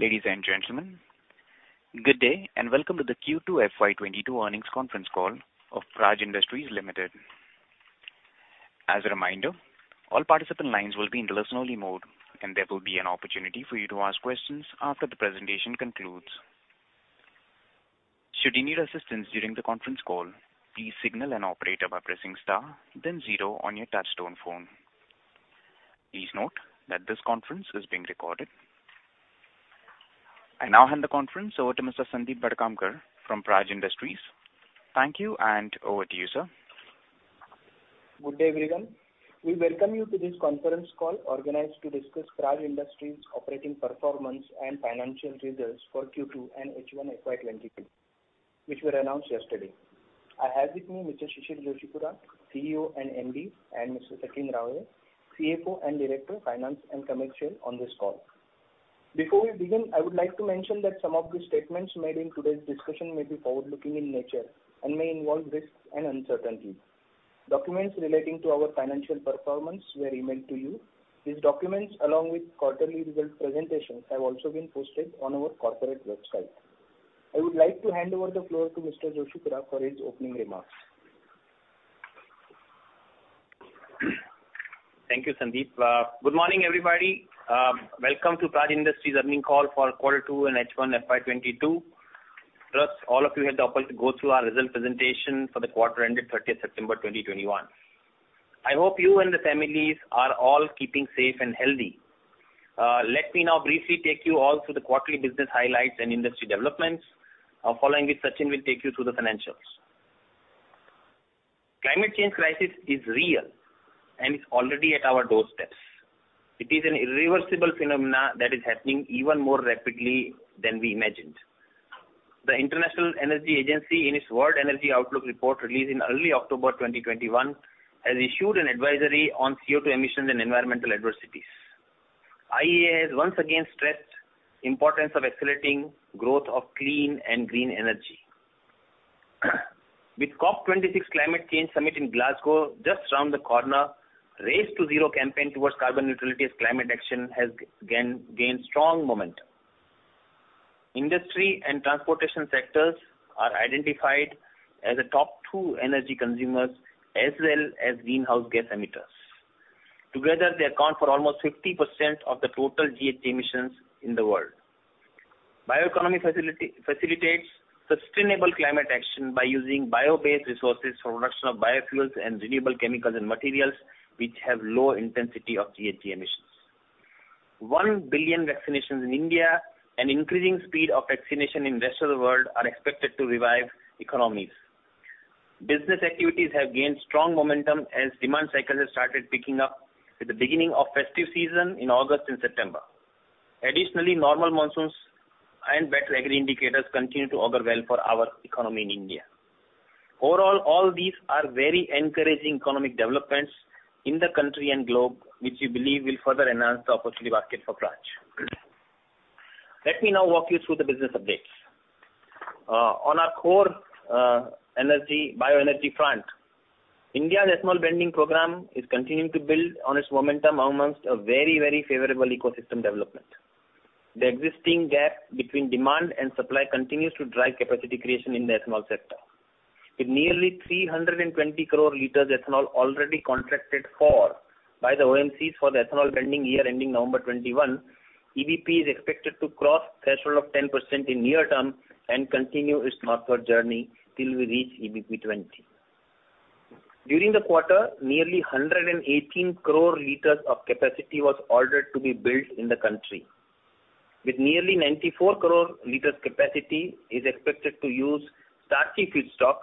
Ladies and gentlemen, good day, and welcome to the Q2 FY 2022 earnings conference call of Praj Industries Limited. As a reminder, all participant lines will be in listen-only mode, and there will be an opportunity for you to ask questions after the presentation concludes. Should you need assistance during the conference call, please signal an operator by pressing star then zero on your touchtone phone. Please note that this conference is being recorded. I now hand the conference over to Mr. Sandip Bhadkamkar from Praj Industries. Thank you, and over to you, sir. Good day, everyone. We welcome you to this conference call organized to discuss Praj Industries operating performance and financial results for Q2 and H1 FY 2022, which were announced yesterday. I have with me Mr. Shishir Joshipura, CEO and MD, and Mr. Sachin Raole, CFO and Director of Resources on this call. Before we begin, I would like to mention that some of the statements made in today's discussion may be forward-looking in nature and may involve risks and uncertainties. Documents relating to our financial performance were emailed to you. These documents along with quarterly result presentations have also been posted on our corporate website. I would like to hand over the floor to Mr. Shishir Joshipura for his opening remarks. Thank you, Sandip. Good morning, everybody. Welcome to Praj Industries earnings call for Q2 and H1 FY 2022. All of you had the opportunity to go through our results presentation for the quarter ended 30 September 2021. I hope you and the families are all keeping safe and healthy. Let me now briefly take you all through the quarterly business highlights and industry developments. Following which Sachin will take you through the financials. Climate change crisis is real, and it's already at our doorsteps. It is an irreversible phenomenon that is happening even more rapidly than we imagined. The International Energy Agency, in its World Energy Outlook report released in early October 2021, has issued an advisory on CO2 emissions and environmental adversities. IEA has once again stressed importance of accelerating growth of clean and green energy. With COP26 climate change summit in Glasgow just around the corner, Race to Zero campaign towards carbon neutrality as climate action has gained strong momentum. Industry and transportation sectors are identified as the top two energy consumers as well as greenhouse gas emitters. Together, they account for almost 50% of the total GHG emissions in the world. Bioeconomy facilitates sustainable climate action by using bio-based resources for production of biofuels and renewable chemicals and materials which have low intensity of GHG emissions. 1 billion vaccinations in India and increasing speed of vaccination in rest of the world are expected to revive economies. Business activities have gained strong momentum as demand cycles have started picking up with the beginning of festive season in August and September. Additionally, normal monsoons and better agri indicators continue to augur well for our economy in India. Overall, all these are very encouraging economic developments in the country and globe, which we believe will further enhance the opportunity basket for Praj. Let me now walk you through the business updates. On our core energy bioenergy front, India's ethanol blending program is continuing to build on its momentum among a very, very favorable ecosystem development. The existing gap between demand and supply continues to drive capacity creation in the ethanol sector. With nearly 320 crore liters ethanol already contracted for by the OMCs for the ethanol blending year ending November 2021, EBP is expected to cross threshold of 10% in near term and continue its northward journey till we reach EBP20. During the quarter, nearly 118 crore liters of capacity was ordered to be built in the country. With nearly 94 crore liters capacity is expected to use starchy feedstock,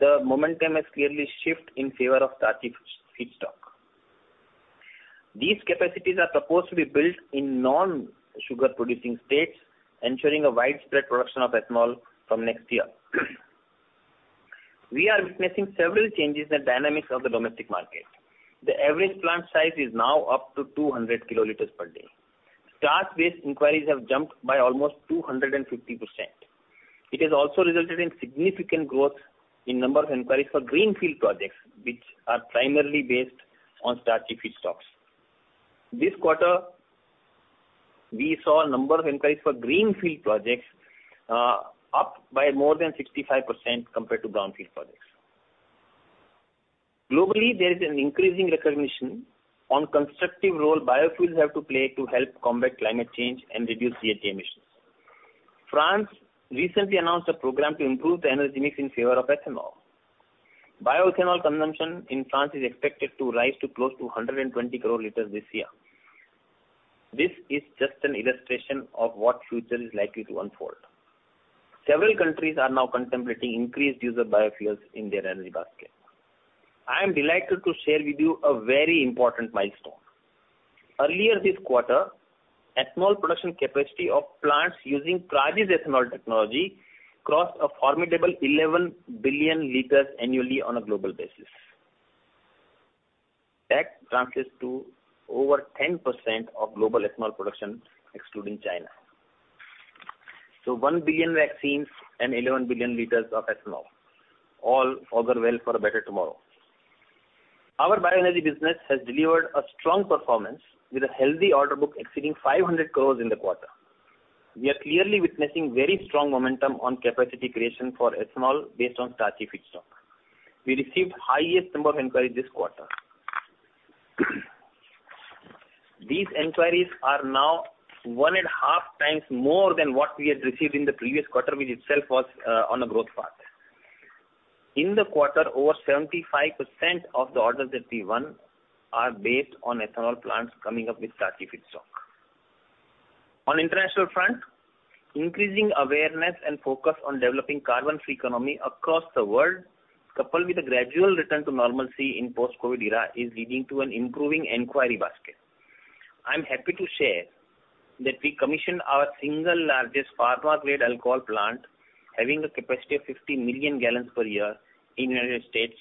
the momentum has clearly shifted in favor of starchy feedstock. These capacities are proposed to be built in non-sugar producing states, ensuring a widespread production of ethanol from next year. We are witnessing several changes in the dynamics of the domestic market. The average plant size is now up to 200 kiloliters per day. Starch-based inquiries have jumped by almost 250%. It has also resulted in significant growth in number of inquiries for greenfield projects, which are primarily based on starchy feedstocks. This quarter, we saw number of inquiries for greenfield projects up by more than 65% compared to brownfield projects. Globally, there is an increasing recognition on constructive role biofuels have to play to help combat climate change and reduce GHG emissions. France recently announced a program to improve the energy mix in favor of ethanol. Bioethanol consumption in France is expected to rise to close to 120 crore liters this year. This is just an illustration of what future is likely to unfold. Several countries are now contemplating increased use of biofuels in their energy basket. I am delighted to share with you a very important milestone. Earlier this quarter, ethanol production capacity of plants using Praj's ethanol technology crossed a formidable 11 billion liters annually on a global basis. That translates to over 10% of global ethanol production excluding China. 1 billion vaccines and 11 billion liters of ethanol all augur well for a better tomorrow. Our bioenergy business has delivered a strong performance with a healthy order book exceeding 500 crores in the quarter. We are clearly witnessing very strong momentum on capacity creation for ethanol based on starchy feedstock. We received highest number of inquiries this quarter. These inquiries are now one and a half times more than what we had received in the previous quarter, which itself was on a growth path. In the quarter, over 75% of the orders that we won are based on ethanol plants coming up with starchy feedstock. On international front, increasing awareness and focus on developing carbon-free economy across the world, coupled with a gradual return to normalcy in post-COVID era, is leading to an improving inquiry basket. I'm happy to share that we commissioned our single largest pharma grade alcohol plant, having a capacity of 50 million gallons per year in United States,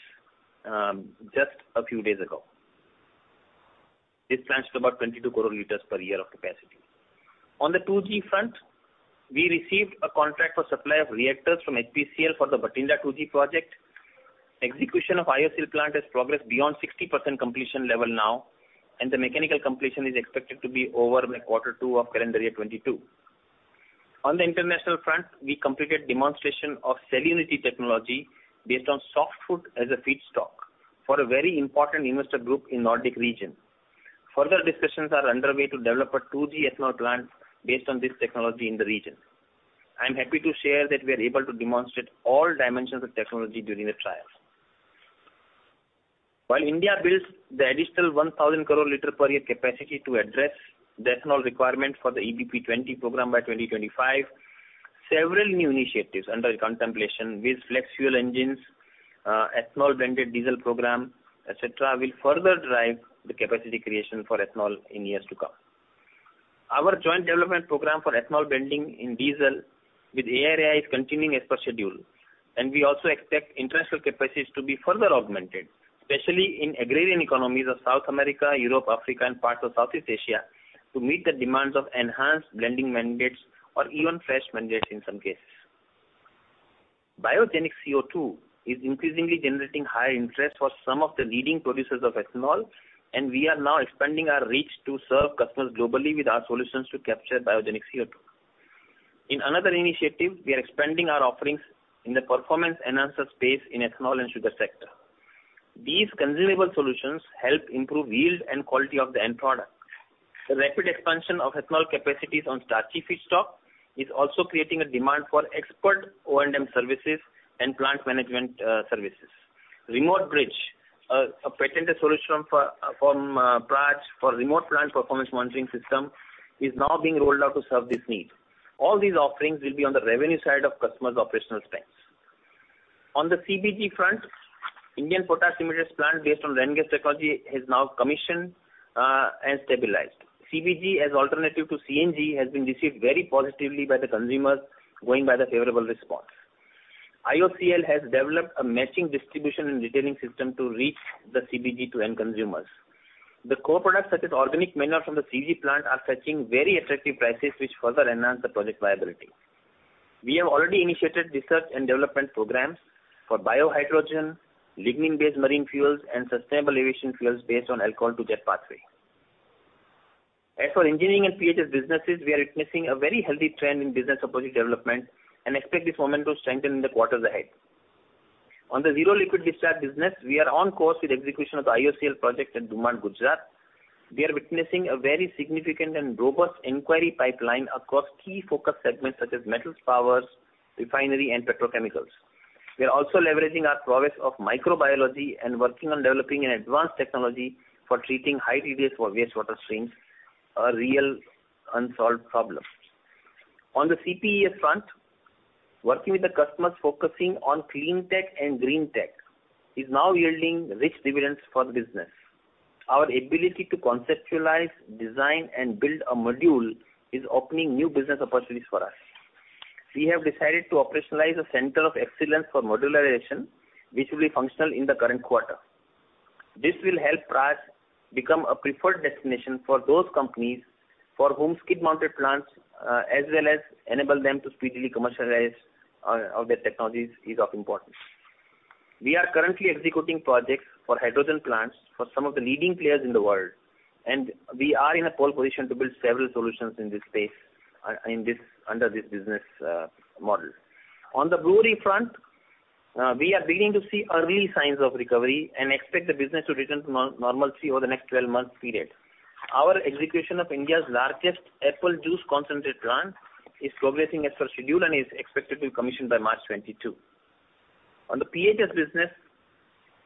just a few days ago. This plant is about 22 crore liters per year of capacity. On the 2G front, we received a contract for supply of reactors from HPCL for the Bathinda 2G project. Execution of IOCL plant has progressed beyond 60% completion level now, and the mechanical completion is expected to be over by Q2 of current year 2022. On the international front, we completed demonstration of Celluniti technology based on softwood as a feedstock for a very important investor group in Nordic region. Further discussions are underway to develop a 2G ethanol plant based on this technology in the region. I'm happy to share that we are able to demonstrate all dimensions of technology during the trials. While India builds the additional 1,000 crore liter per year capacity to address the ethanol requirement for the EBP 20 program by 2025, several new initiatives under contemplation with flex fuel engines, ethanol blended diesel program, etc., will further drive the capacity creation for ethanol in years to come. Our joint development program for ethanol blending in diesel with ARAI is continuing as per schedule. We also expect international capacities to be further augmented, especially in agrarian economies of South America, Europe, Africa, and parts of Southeast Asia, to meet the demands of enhanced blending mandates or even fresh mandates in some cases. Biogenic CO2 is increasingly generating high interest for some of the leading producers of ethanol, and we are now expanding our reach to serve customers globally with our solutions to capture biogenic CO2. In another initiative, we are expanding our offerings in the performance enhancer space in ethanol and sugar sector. These consumable solutions help improve yield and quality of the end product. The rapid expansion of ethanol capacities on starchy feedstock is also creating a demand for expert O&M services and plant management services. RemoteBridge, a patented solution from Praj for remote plant performance monitoring system, is now being rolled out to serve this need. All these offerings will be on the revenue side of customers' operational spends. On the CBG front, Indian Potash Limited's plant based on RenGas technology is now commissioned and stabilized. CBG as alternative to CNG has been received very positively by the consumers, going by the favorable response. IOCL has developed a matching distribution and retailing system to reach the CBG to end consumers. The co-products such as organic manure from the CBG plant are fetching very attractive prices which further enhance the project viability. We have already initiated research and development programs for biohydrogen, lignin-based marine fuels, and sustainable aviation fuels based on alcohol-to-jet pathway. As for engineering and PHS businesses, we are witnessing a very healthy trend in business opportunity development and expect this momentum to strengthen in the quarters ahead. On the zero liquid discharge business, we are on course with execution of the IOCL project at Dumad, Gujarat. We are witnessing a very significant and robust inquiry pipeline across key focus segments such as metals, power, refinery, and petrochemicals. We are also leveraging our prowess of microbiology and working on developing an advanced technology for treating high TDS for wastewater streams, a real unsolved problem. On the CPES front, working with the customers focusing on clean tech and green tech is now yielding rich dividends for the business. Our ability to conceptualize, design, and build a module is opening new business opportunities for us. We have decided to operationalize a center of excellence for modularization, which will be functional in the current quarter. This will help Praj become a preferred destination for those companies for whom skid-mounted plants, as well as enable them to speedily commercialize, their technologies is of importance. We are currently executing projects for hydrogen plants for some of the leading players in the world, and we are in a pole position to build several solutions in this space under this business model. On the brewery front, we are beginning to see early signs of recovery and expect the business to return to normalcy over the next 12-month period. Our execution of India's largest apple juice concentrate plant is progressing as per schedule and is expected to be commissioned by March 2022. On the PHS business,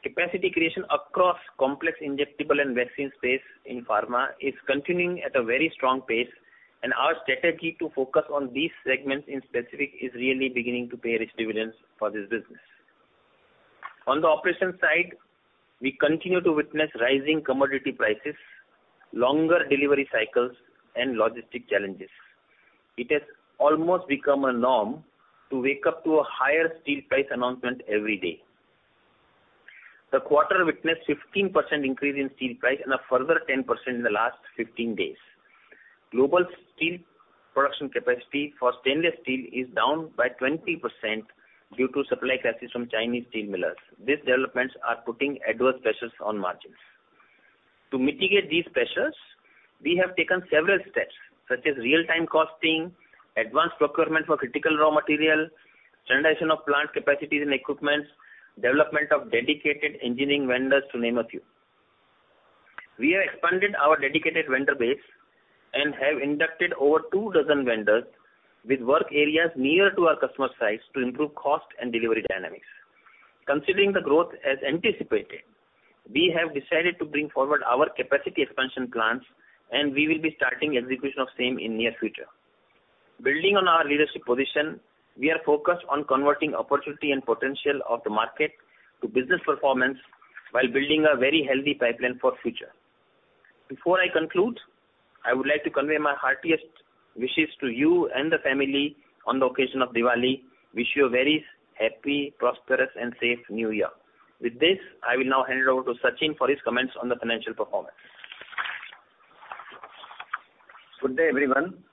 capacity creation across complex injectable and vaccine space in pharma is continuing at a very strong pace, and our strategy to focus on these segments in specific is really beginning to pay rich dividends for this business. On the operations side, we continue to witness rising commodity prices, longer delivery cycles, and logistic challenges. It has almost become a norm to wake up to a higher steel price announcement every day. The quarter witnessed 15% increase in steel price and a further 10% in the last 15 days. Global steel production capacity for stainless steel is down by 20% due to supply crisis from Chinese steel millers. These developments are putting adverse pressures on margins. To mitigate these pressures, we have taken several steps such as real-time costing, advanced procurement for critical raw material, standardization of plant capacities and equipment, development of dedicated engineering vendors, to name a few. We have expanded our dedicated vendor base and have inducted over 24 vendors with work areas near to our customer sites to improve cost and delivery dynamics. Considering the growth as anticipated, we have decided to bring forward our capacity expansion plans, and we will be starting execution of same in near future. Building on our leadership position, we are focused on converting opportunity and potential of the market to business performance while building a very healthy pipeline for future. Before I conclude, I would like to convey my heartiest wishes to you and the family on the occasion of Diwali. Wish you a very happy, prosperous, and safe new year. With this, I will now hand it over to Sachin for his comments on the financial performance. Good day, everyone.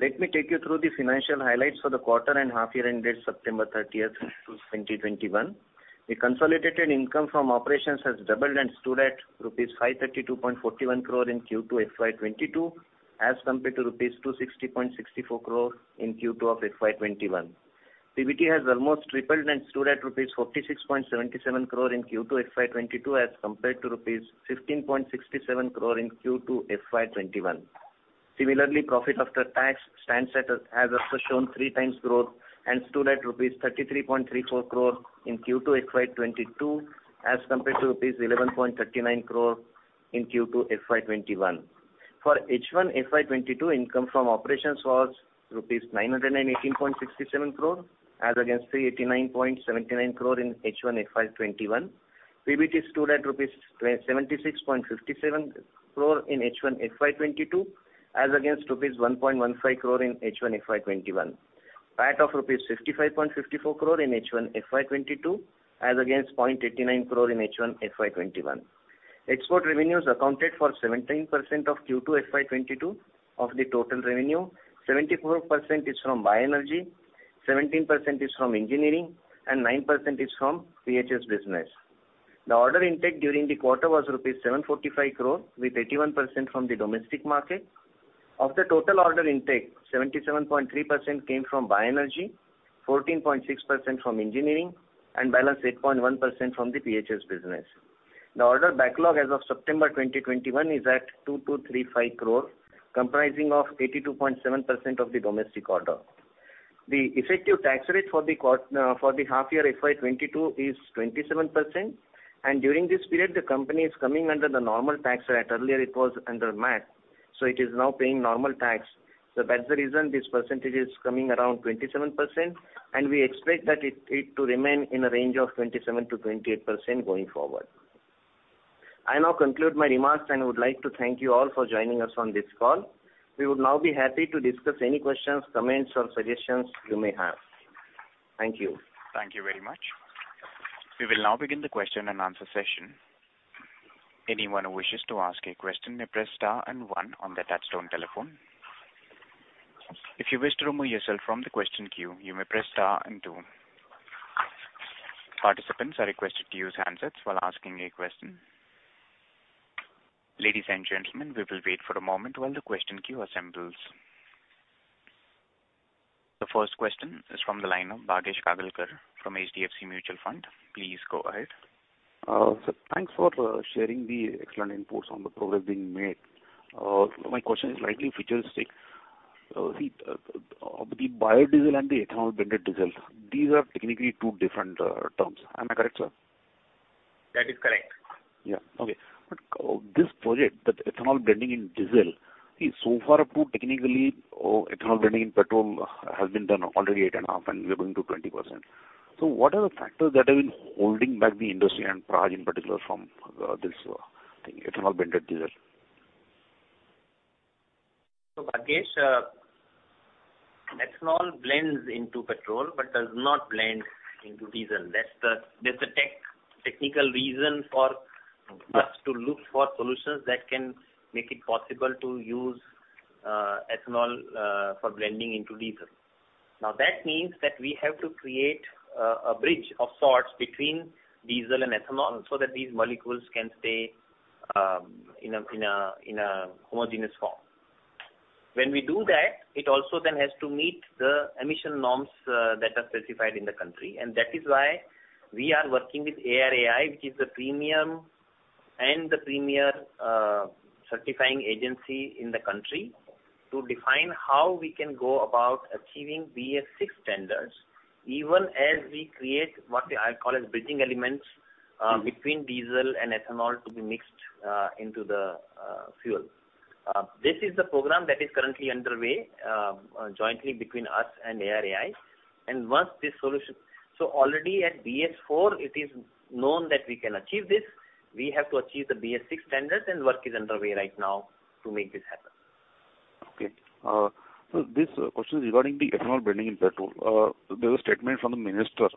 Let me take you through the financial highlights for the quarter and half year ended September 30, 2021. The consolidated income from operations has doubled and stood at rupees 532.41 crore in Q2 FY 2022 as compared to rupees 260.64 crore in Q2 of FY 2021. PBT has almost tripled and stood at rupees 46.77 crore in Q2 FY 2022 as compared to rupees 15.67 crore in Q2 FY 2021. Similarly, profit after tax stands at, has also shown three times growth and stood at rupees 33.34 crore in Q2 FY 2022 as compared to rupees 11.39 crore in Q2 FY 2021. For H1 FY 2022, income from operations was rupees 918.67 crore as against 389.79 crore rupees in H1 FY 2021. PBT stood at rupees 76.57 crore in H1 FY 2022 as against rupees 1.15 crore in H1 FY 2021. PAT of rupees 55.54 crore in H1 FY 2022 as against 0.89 crore in H1 FY 2021. Export revenues accounted for 17% of Q2 FY 2022 of the total revenue. 74% is from bioenergy, 17% is from engineering, and 9% is from PHS business. The order intake during the quarter was 745 crore rupees with 81% from the domestic market. Of the total order intake, 77.3% came from bioenergy, 14.6% from engineering, and balance 8.1% from the PHS business. The order backlog as of September 2021 is at 2,235 crore, comprising of 82.7% of the domestic order. The effective tax rate for the half year FY 2022 is 27%. During this period, the company is coming under the normal tax rate. Earlier it was under MAT, so it is now paying normal tax. That's the reason this percentage is coming around 27%, and we expect it to remain in a range of 27%-28% going forward. I now conclude my remarks, and I would like to thank you all for joining us on this call. We would now be happy to discuss any questions, comments, or suggestions you may have. Thank you. Thank you very much. We will now begin the question and answer session. Anyone who wishes to ask a question may press star and one on the touchtone telephone. If you wish to remove yourself from the question queue, you may press star and two. Participants are requested to use handsets while asking a question. Ladies and gentlemen, we will wait for a moment while the question queue assembles. The first question is from the line of Bhagyesh Kagalkar from HDFC Mutual Fund. Please go ahead. Sir, thanks for sharing the excellent inputs on the progress being made. My question is slightly futuristic. The biodiesel and the ethanol blended diesel, these are technically two different terms. Am I correct, sir? That is correct. This project, the ethanol blending in diesel, so far, technically, ethanol blending in petrol has been done already at 8.5%, and we are going to 20%. What are the factors that have been holding back the industry and Praj in particular from this thing, ethanol blended diesel? Bhagyesh, ethanol blends into petrol but does not blend into diesel. That's the technical reason for us to look for solutions that can make it possible to use ethanol for blending into diesel. Now, that means that we have to create a bridge of sorts between diesel and ethanol so that these molecules can stay in a homogeneous form. When we do that, it also then has to meet the emission norms that are specified in the country. That is why we are working with ARAI, which is the premier certifying agency in the country, to define how we can go about achieving BS-VI standards, even as we create what I call as bridging elements between diesel and ethanol to be mixed into the fuel. This is the program that is currently underway jointly between us and ARAI. Once this solution already at BS-IV it is known that we can achieve this. We have to achieve the BS-VI standards, and work is underway right now to make this happen. This question is regarding the ethanol blending in petrol. There's a statement from the minister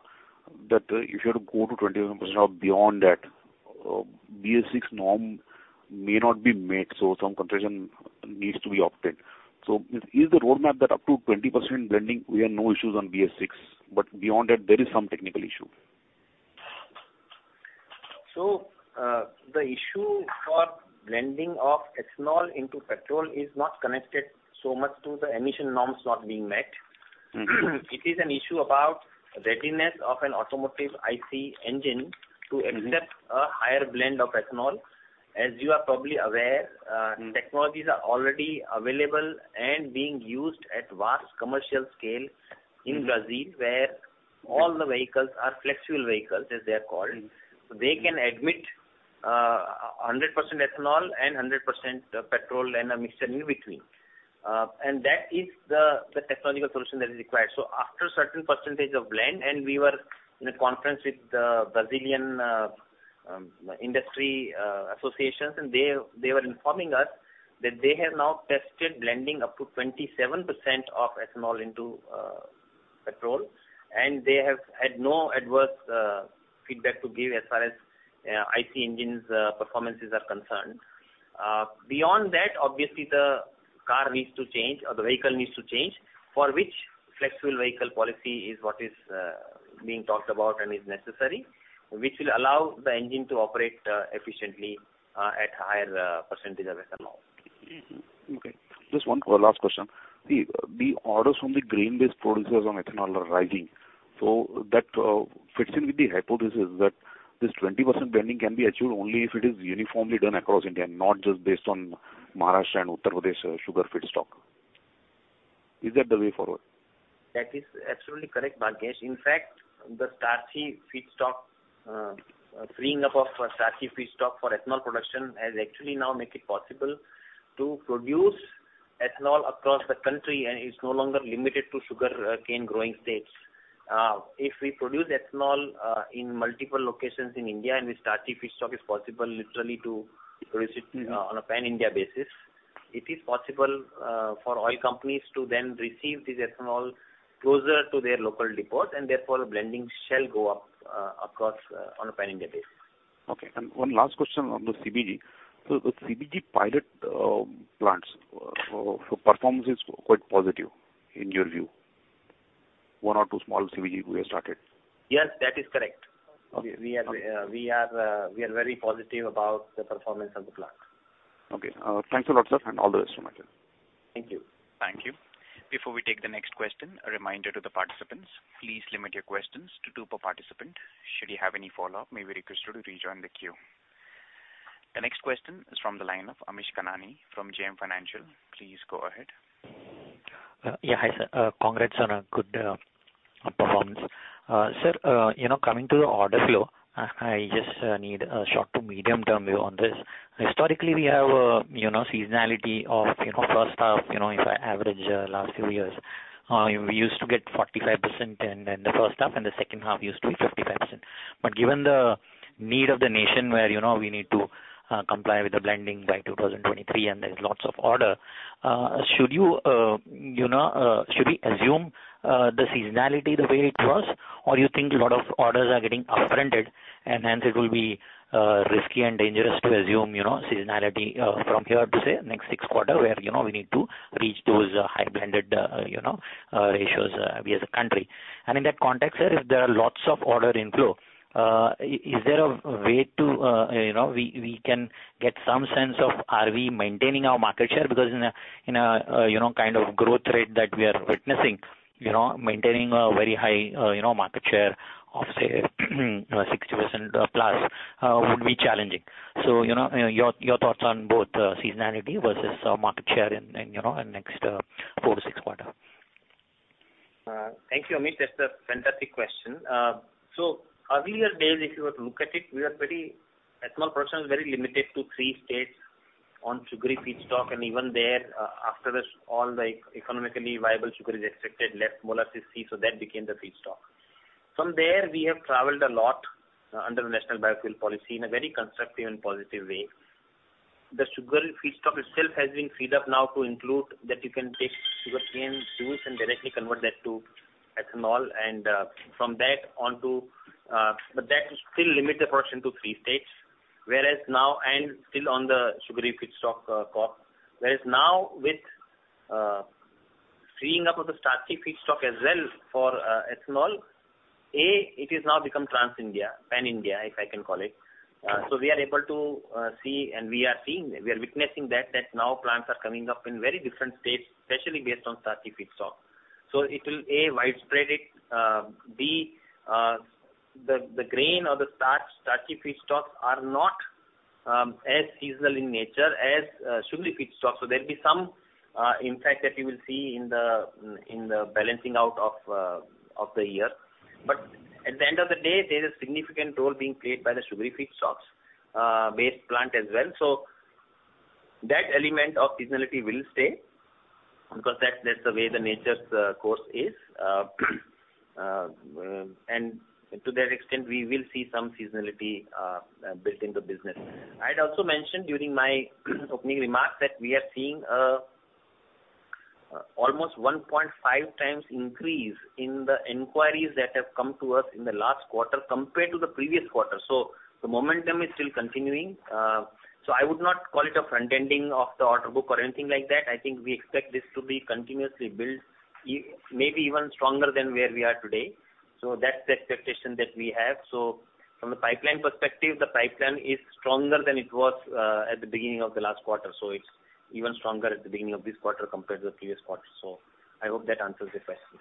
that, if you have to go to 27% or beyond that, BSVI norm may not be met, so some concession needs to be opted. Is the roadmap that up to 20% blending, we have no issues on BSVI, but beyond that there is some technical issue? The issue for blending of ethanol into petrol is not connected so much to the emission norms not being met. Mm-hmm. It is an issue about readiness of an automotive IC engine to accept a higher blend of ethanol. As you are probably aware, technologies are already available and being used at vast commercial scale in Brazil, where all the vehicles are flex fuel vehicles, as they are called. So they can admit 100% ethanol and 100% petrol and a mixture in between. That is the technological solution that is required. After a certain percentage of blend, we were in a conference with the Brazilian industry associations, and they were informing us that they have now tested blending up to 27% of ethanol into petrol, and they have had no adverse feedback to give as far as IC engines' performances are concerned. Beyond that, obviously the car needs to change or the vehicle needs to change, for which flex fuel vehicle policy is what is being talked about and is necessary, which will allow the engine to operate efficiently at higher percentage of ethanol. Okay. Just one last question. The orders from the grain-based producers on ethanol are rising, so that fits in with the hypothesis that this 20% blending can be achieved only if it is uniformly done across India, not just based on Maharashtra and Uttar Pradesh sugar feedstock. Is that the way forward? That is absolutely correct, Bhagyesh. In fact, the starchy feedstock, freeing up of starchy feedstock for ethanol production has actually now make it possible to produce ethanol across the country, and is no longer limited to sugar cane growing states. If we produce ethanol in multiple locations in India, and the starchy feedstock is possible literally to produce it on a pan-India basis, it is possible for oil companies to then receive this ethanol closer to their local depots, and therefore blending shall go up, across on a pan-India basis. Okay. One last question on the CBG. The CBG pilot plants performance is quite positive in your view? One or two small CBG we have started. Yes, that is correct. Okay. We are very positive about the performance of the plant. Okay. Thanks a lot, sir, and all the best for Makem. Thank you. Thank you. Before we take the next question, a reminder to the participants, please limit your questions to two per participant. Should you have any follow-up, you may be requested to rejoin the queue. The next question is from the line of Amish Kanani from JM Financial. Please go ahead. Yeah. Hi, sir. Congrats on a good performance. Sir, you know, coming to the order flow, I just need a short to medium term view on this. Historically, we have, you know, seasonality of, you know, first half, you know, if I average last few years. We used to get 45% in the first half, and the second half used to be 55%. Given the need of the nation where, you know, we need to comply with the blending by 2023 and there's lots of order, should we assume the seasonality the way it was? You think a lot of orders are getting upfronted and hence it will be risky and dangerous to assume, you know, seasonality from here to, say, next six quarter where, you know, we need to reach those high blended ratios we as a country. In that context, sir, if there are lots of order inflow, is there a way to, you know, we can get some sense of are we maintaining our market share? Because in a, you know, kind of growth rate that we are witnessing, you know, maintaining a very high, you know, market share of, say, you know, 60% or plus would be challenging. You know, your thoughts on both seasonality versus market share in the next 4-6Q? Thank you, Amish. That's a fantastic question. Earlier days, if you were to look at it, Ethanol production was very limited to three states on sugary feedstock, and even there, after this, all the economically viable sugar is extracted, left molasses C, so that became the feedstock. From there, we have traveled a lot, under the National Biofuel Policy in a very constructive and positive way. The sugar feedstock itself has been freed up now to include that you can take sugarcane juice and directly convert that to ethanol and, from that onto. But that still limits the production to three states, whereas now and still on the sugary feedstock, crop. Whereas now with, freeing up of the starchy feedstock as well for, ethanol, it is now become trans-India, pan-India, if I can call it. We are able to see and we are witnessing that now plants are coming up in very different states, especially based on starchy feedstock. It will, A, widespread it. B, the grain or the starchy feedstocks are not as seasonal in nature as sugary feedstock. There'll be some impact that we will see in the balancing out of the year. But at the end of the day, there's a significant role being played by the sugary feedstocks based plant as well. That element of seasonality will stay, because that's the way nature's course is. To that extent, we will see some seasonality built in the business. I'd also mentioned during my opening remarks that we are seeing almost 1.5x increase in the inquiries that have come to us in the last quarter compared to the previous quarter. The momentum is still continuing. I would not call it a front-ending of the order book or anything like that. I think we expect this to be continuously built maybe even stronger than where we are today. That's the expectation that we have. From the pipeline perspective, the pipeline is stronger than it was at the beginning of the last quarter. It's even stronger at the beginning of this quarter compared to the previous quarter. I hope that answers your question.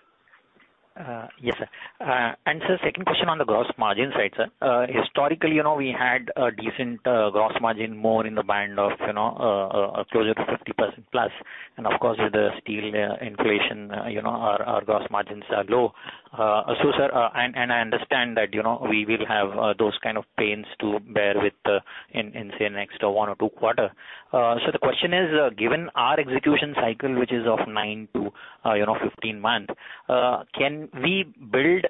Yes, sir. Sir, second question on the gross margin side, sir. Historically, you know, we had a decent gross margin more in the band of, you know, closer to 50% plus. Of course, with the steel inflation, you know, our gross margins are low. Sir, I understand that, you know, we will have those kind of pains to bear with in, say, next one or two quarters. So the question is, given our execution cycle, which is of 9-15 months, you know, can we build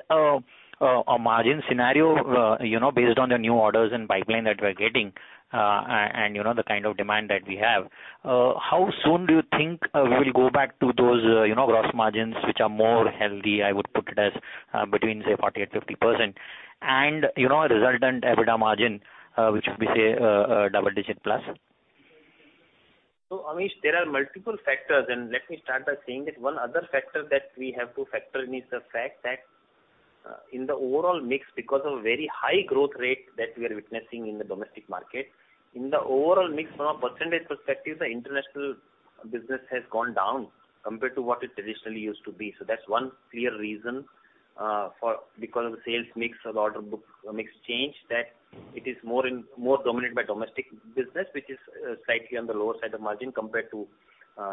a margin scenario, you know, based on the new orders and pipeline that we're getting, and you know, the kind of demand that we have? How soon do you think we will go back to those, you know, gross margins which are more healthy? I would put it as between, say, 40%-50%. You know, a resultant EBITDA margin which we say double digit plus. Amish, there are multiple factors, and let me start by saying that one other factor that we have to factor in is the fact that, in the overall mix, because of very high growth rate that we are witnessing in the domestic market, in the overall mix, from a percentage perspective, the international business has gone down compared to what it traditionally used to be. That's one clear reason, for because of the sales mix or the order book mix change, that it is more in, more dominated by domestic business, which is, slightly on the lower side of margin compared to,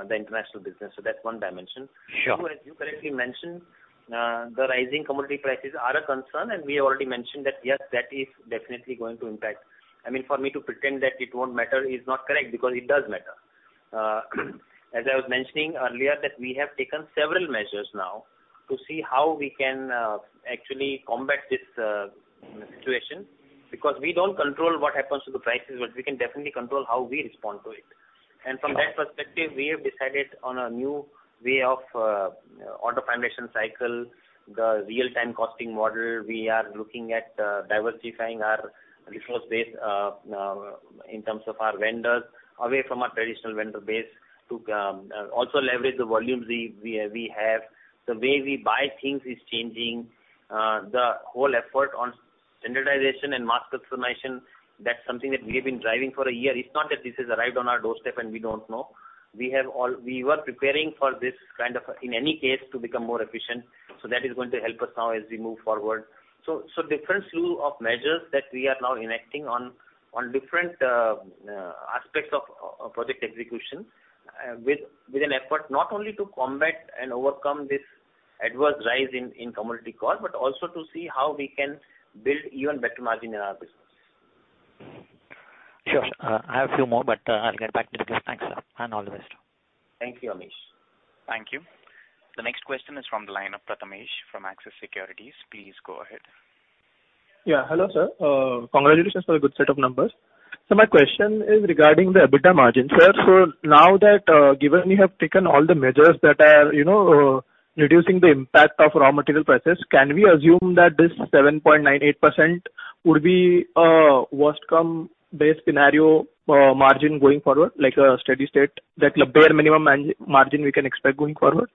the international business. That's one dimension. Sure. You were, you correctly mentioned, the rising commodity prices are a concern, and we already mentioned that, yes, that is definitely going to impact. I mean, for me to pretend that it won't matter is not correct because it does matter. As I was mentioning earlier, that we have taken several measures now to see how we can, actually combat this, situation because we don't control what happens to the prices, but we can definitely control how we respond to it. Sure. From that perspective, we have decided on a new way of order formulation cycle, the real-time costing model. We are looking at diversifying our resource base in terms of our vendors away from our traditional vendor base to also leverage the volumes we have. The way we buy things is changing. The whole effort on standardization and mass customization, that's something that we have been driving for a year. It's not that this has arrived on our doorstep and we don't know. We were preparing for this kind of, in any case, to become more efficient. That is going to help us now as we move forward. Different slew of measures that we are now enacting on different aspects of project execution with an effort not only to combat and overcome this adverse rise in commodity cost but also to see how we can build even better margin in our business. Sure. I have a few more, but I'll get back to this. Thanks, sir, and all the best. Thank you, Amish. Thank you. The next question is from the line of Prathamesh from Axis Securities. Please go ahead. Yeah. Hello, sir. Congratulations for a good set of numbers. My question is regarding the EBITDA margin. Sir, now that given you have taken all the measures that are reducing the impact of raw material prices, can we assume that this 7.98% would be a worst case base scenario margin going forward, like a steady state, that bare minimum margin we can expect going forward?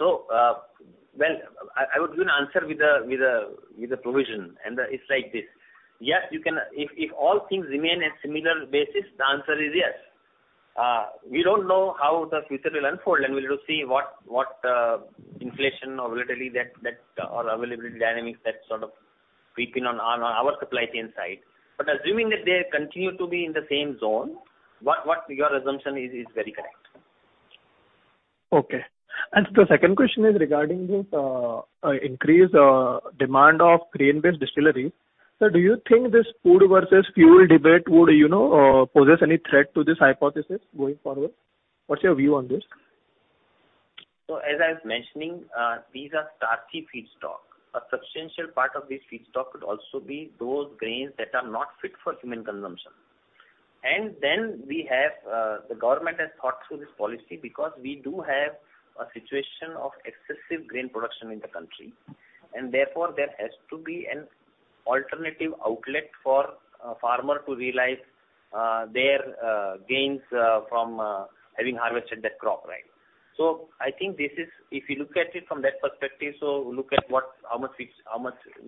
Well, I would give an answer with a provision, and it's like this. Yes, you can. If all things remain in similar basis, the answer is yes. We don't know how the future will unfold, and we'll see what inflation or volatility that or availability dynamics that sort of creep in on our supply chain side. But assuming that they continue to be in the same zone, what your assumption is very correct. Okay. The second question is regarding this increased demand of grain-based distillery. Sir, do you think this food versus fuel debate would, you know, possess any threat to this hypothesis going forward? What's your view on this? As I was mentioning, these are starchy feedstock. A substantial part of this feedstock could also be those grains that are not fit for human consumption. We have the government has thought through this policy because we do have a situation of excessive grain production in the country, and therefore, there has to be an alternative outlet for a farmer to realize their gains from having harvested that crop, right? I think this is. If you look at it from that perspective, look at what, how much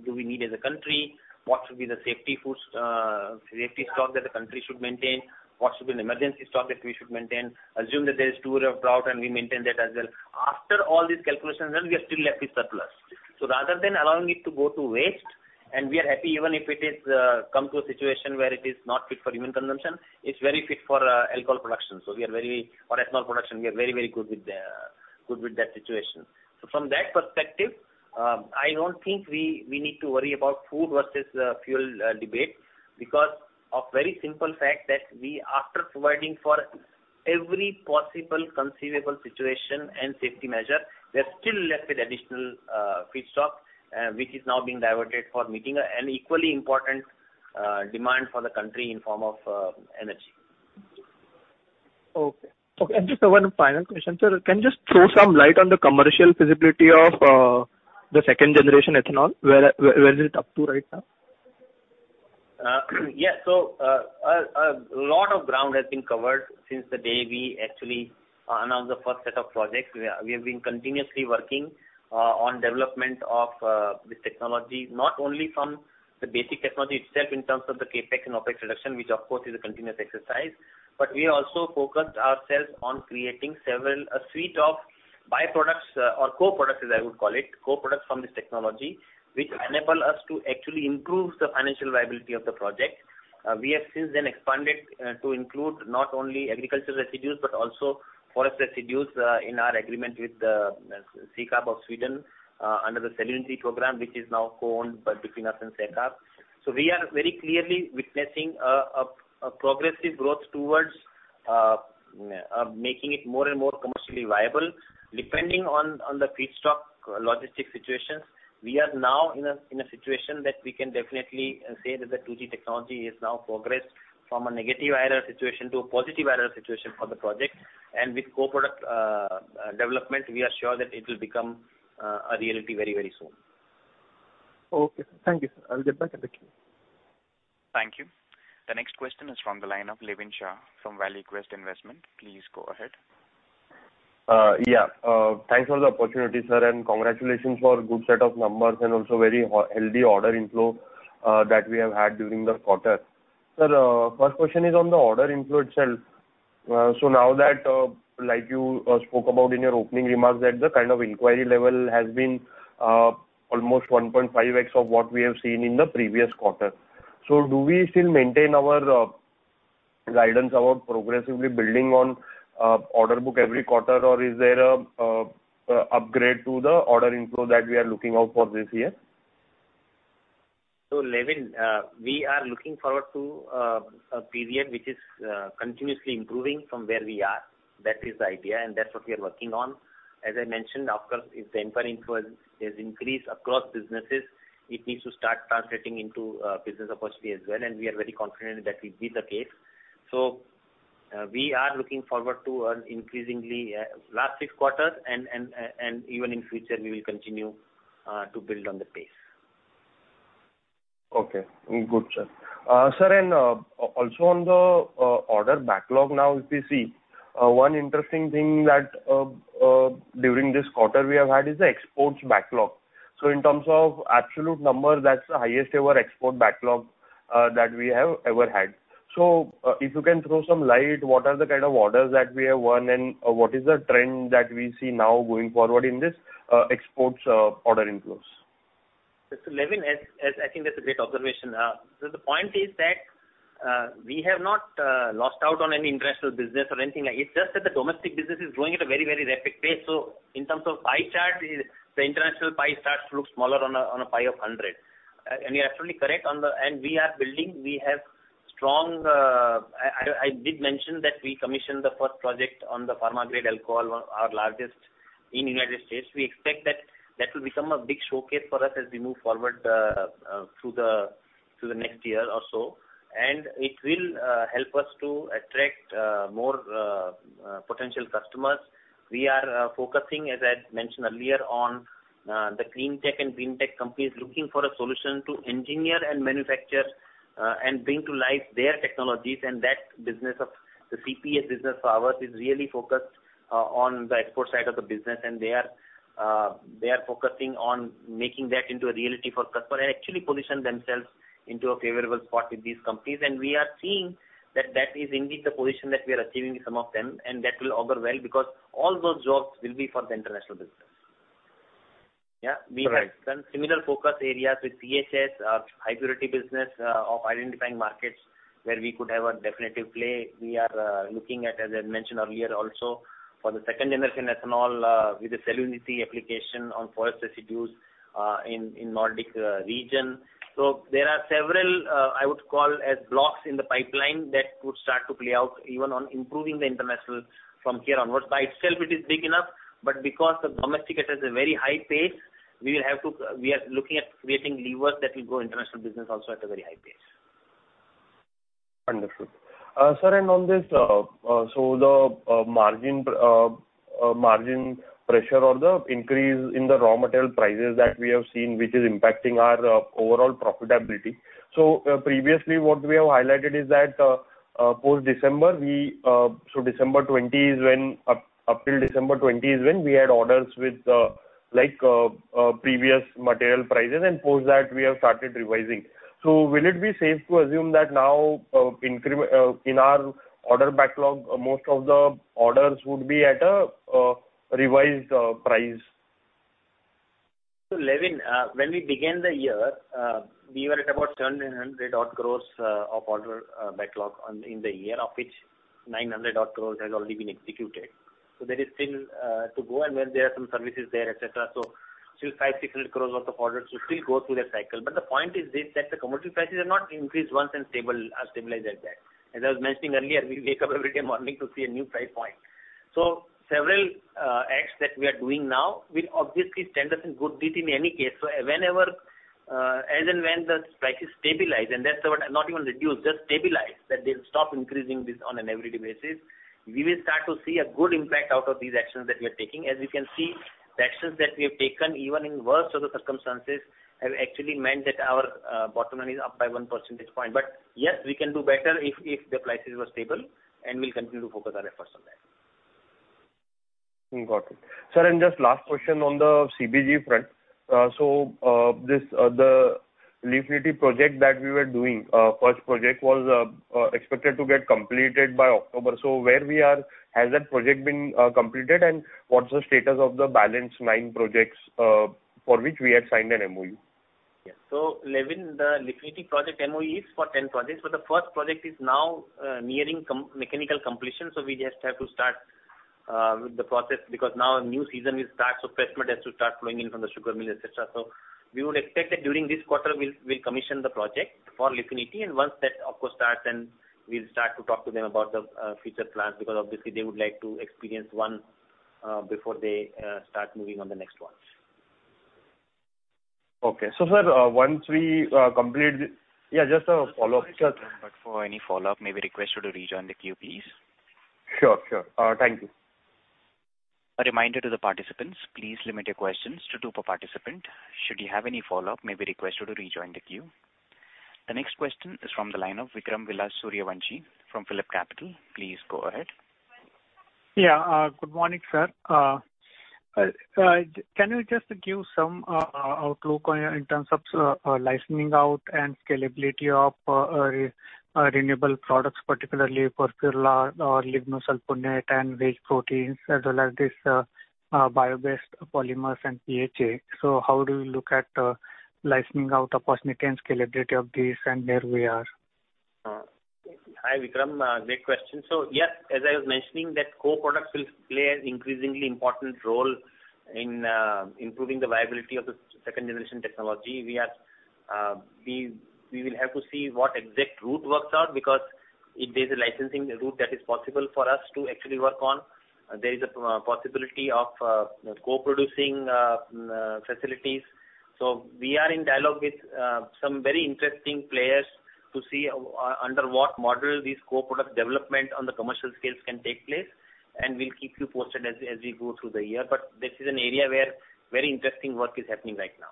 do we need as a country? What should be the safety stock that the country should maintain? What should be an emergency stock that we should maintain? Assume that there is a drought and we maintain that as well. After all these calculations, then we are still left with surplus. Rather than allowing it to go to waste, we are happy, even if it is come to a situation where it is not fit for human consumption, it's very fit for alcohol production or ethanol production. We are very, very good with that situation. From that perspective, I don't think we need to worry about food versus fuel debate because of very simple fact that we, after providing for every possible conceivable situation and safety measure, we are still left with additional feedstock, which is now being diverted for meeting an equally important demand for the country in form of energy. Okay. Okay, just one final question. Sir, can you just throw some light on the commercial feasibility of the second generation ethanol? Where is it up to right now? A lot of ground has been covered since the day we actually announced the first set of projects. We have been continuously working on development of this technology, not only from the basic technology itself in terms of the CapEx and OpEx reduction, which of course is a continuous exercise, but we also focused ourselves on creating a suite of by-products or co-products, as I would call it, co-products from this technology, which enable us to actually improve the financial viability of the project. We have since then expanded to include not only agricultural residues, but also forest residues in our agreement with SECAB of Sweden under the Celluniti program, which is now co-owned between us and SECAB. We are very clearly witnessing a progressive growth towards making it more and more commercially viable. Depending on the feedstock logistics situations, we are now in a situation that we can definitely say that the 2G technology is now progressed from a negative IRR situation to a positive IRR situation for the project. With co-product development, we are sure that it will become a reality very, very soon. Okay. Thank you, sir. I'll get back in touch. Thank you. The next question is from the line of Lavin Shah from ValueQuest Investment. Please go ahead. Yeah. Thanks for the opportunity, sir, and congratulations for good set of numbers and also very healthy order inflow that we have had during the quarter. Sir, first question is on the order inflow itself. Now that, like you, spoke about in your opening remarks that the kind of inquiry level has been almost 1.5x of what we have seen in the previous quarter. Do we still maintain our guidance about progressively building on order book every quarter? Or is there a upgrade to the order inflow that we are looking out for this year? Lavin, we are looking forward to a period which is continuously improving from where we are. That is the idea, and that's what we are working on. As I mentioned, of course, if the inquiry inflow has increased across businesses, it needs to start translating into a business opportunity as well, and we are very confident that will be the case. We are looking forward to an increasingly last six quarters and even in future we will continue to build on the pace. Okay. Good, sir. Also on the order backlog now, if you see, one interesting thing that during this quarter we have had is the exports backlog. In terms of absolute number, that's the highest ever export backlog that we have ever had. If you can throw some light, what are the kind of orders that we have won, and what is the trend that we see now going forward in this exports order inflows? Lavin, I think that's a great observation. The point is that we have not lost out on any international business or anything like it. It's just that the domestic business is growing at a very rapid pace. In terms of pie chart, the international pie chart looks smaller on a pie of 100. You're absolutely correct on that. I did mention that we commissioned the first project on the pharma grade alcohol, our largest in the United States. We expect that will become a big showcase for us as we move forward through the next year or so. It will help us to attract more potential customers. We are focusing, as I mentioned earlier, on the clean tech and green tech companies looking for a solution to engineer and manufacture, and bring to life their technologies. That business of the CPES business for ours is really focused on the export side of the business. They are focusing on making that into a reality for customer and actually position themselves into a favorable spot with these companies. We are seeing that is indeed the position that we are achieving with some of them. That will augur well because all those jobs will be for the international business. Yeah. Correct. We have done similar focus areas with PHS, high purity business, of identifying markets where we could have a definitive play. We are looking at, as I mentioned earlier also, for the second generation ethanol, with the Celluniti application on forest residues, in Nordic region. There are several, I would call as blocks in the pipeline that would start to play out even on improving the international from here onwards. By itself it is big enough, but because the domestic it has a very high pace, we will have to, we are looking at creating levers that will grow international business also at a very high pace. Understood. Sir, and on this, the margin pressure or the increase in the raw material prices that we have seen, which is impacting our overall profitability. Previously, what we have highlighted is that post-December, December 2020 is when up till December 2020 we had orders with like previous material prices, and post that we have started revising. Will it be safe to assume that now, in our order backlog, most of the orders would be at a revised price? Lavin, when we began the year, we were at about 1,000 crore of order backlog in the year, of which 900 crore has already been executed. Still to go, and where there are some services there, et cetera. Still 500-600 crore worth of orders to still go through that cycle. But the point is this, that the commodity prices have not increased once and stabilized at that. As I was mentioning earlier, we wake up every day morning to see a new price point. Several acts that we are doing now will obviously stand us in good stead in any case. Whenever, as and when the prices stabilize, and that's what, not even reduce, just stabilize, that they'll stop increasing this on an every day basis, we will start to see a good impact out of these actions that we are taking. As you can see, the actions that we have taken, even in worst of the circumstances, have actually meant that our bottom line is up by 1 percentage point. Yes, we can do better if the prices were stable, and we'll continue to focus our efforts on that. Got it. Sir, just last question on the CBG front. This, the Lignity project that we were doing, first project was expected to get completed by October. Where we are? Has that project been completed, and what's the status of the balance nine projects for which we had signed an MOU? Yeah. Lavin, the Lignity project MOU is for 10 projects, but the first project is now nearing mechanical completion, so we just have to start the process because now a new season will start, so press mud has to start flowing in from the sugar mill, et cetera. We would expect that during this quarter we'll commission the project for Lignity, and once that of course starts, then we'll start to talk to them about the future plans, because obviously they would like to experience one before they start moving on the next ones. Yeah, just a follow-up. Sure. But for any follow-up, may we request you to rejoin the queue, please. Sure. Thank you. A reminder to the participants, please limit your questions to two per participant. Should you have any follow-up, may we request you to rejoin the queue. The next question is from the line of Vikram Vilasrao Suryavanshi from PhillipCapital. Please go ahead. Yeah. Good morning, sir. Can you just give some outlook on, in terms of, licensing out and scalability of renewable products, particularly furfural or lignosulfonate and veg proteins, as well as this bio-based polymers and PHA. How do you look at licensing out opportunity and scalability of these and where we are? Hi, Vikram. Great question. Yes, as I was mentioning, the co-products will play an increasingly important role in improving the viability of the second generation technology. We will have to see what exact route works out, because if there's a licensing route that is possible for us to actually work on, there is a possibility of co-producing facilities. We are in dialogue with some very interesting players to see under what model this co-product development on the commercial scales can take place, and we'll keep you posted as we go through the year. This is an area where very interesting work is happening right now.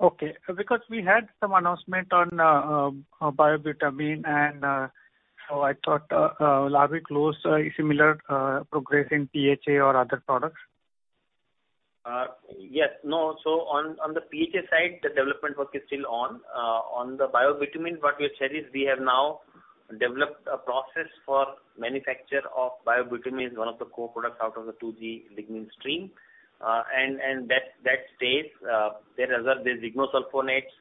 Okay. Because we had some announcement on Bio-bitumen and so I thought, are we close to similar progress in PHA or other products? Yes. No. On the PHA side, the development work is still on. On the bio-bitumen, what we have said is we have now developed a process for manufacture of bio-bitumen as one of the co-products out of the 2G lignin stream. That stays there. As well there's lignosulfonates,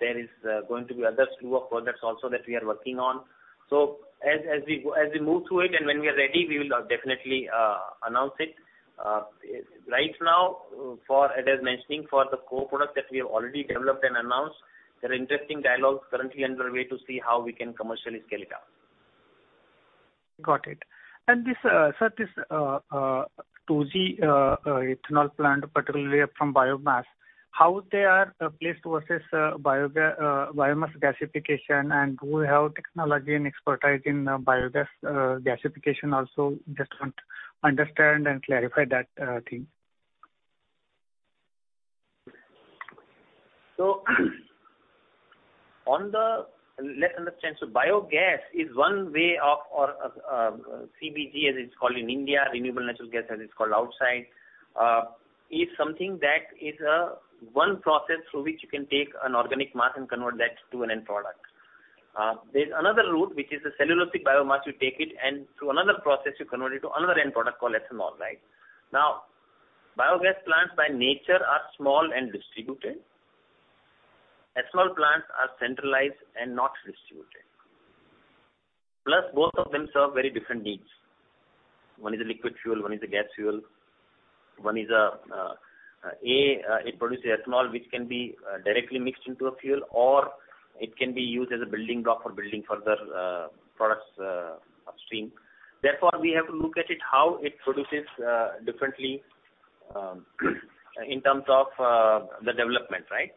there is going to be other slew of products also that we are working on. As we move through it and when we are ready, we will definitely announce it. Right now, for, as I was mentioning, for the co-product that we have already developed and announced, there are interesting dialogues currently underway to see how we can commercially scale it up. Got it. Sir, this 2G ethanol plant, particularly from biomass, how they are placed versus biomass gasification, and do we have technology and expertise in biogas gasification also? Just want to understand and clarify that thing. Let's understand. Biogas is one way of, or, CBG as it's called in India, renewable natural gas as it's called outside, is something that is, one process through which you can take an organic mass and convert that to an end product. There's another route which is a cellulosic biomass. You take it and through another process you convert it to another end product called ethanol, right? Biogas plants by nature are small and distributed. Ethanol plants are centralized and not distributed. Plus, both of them serve very different needs. One is a liquid fuel, one is a gas fuel. One is, it produces ethanol, which can be directly mixed into a fuel, or it can be used as a building block for building further products upstream. Therefore, we have to look at it how it produces differently in terms of the development, right?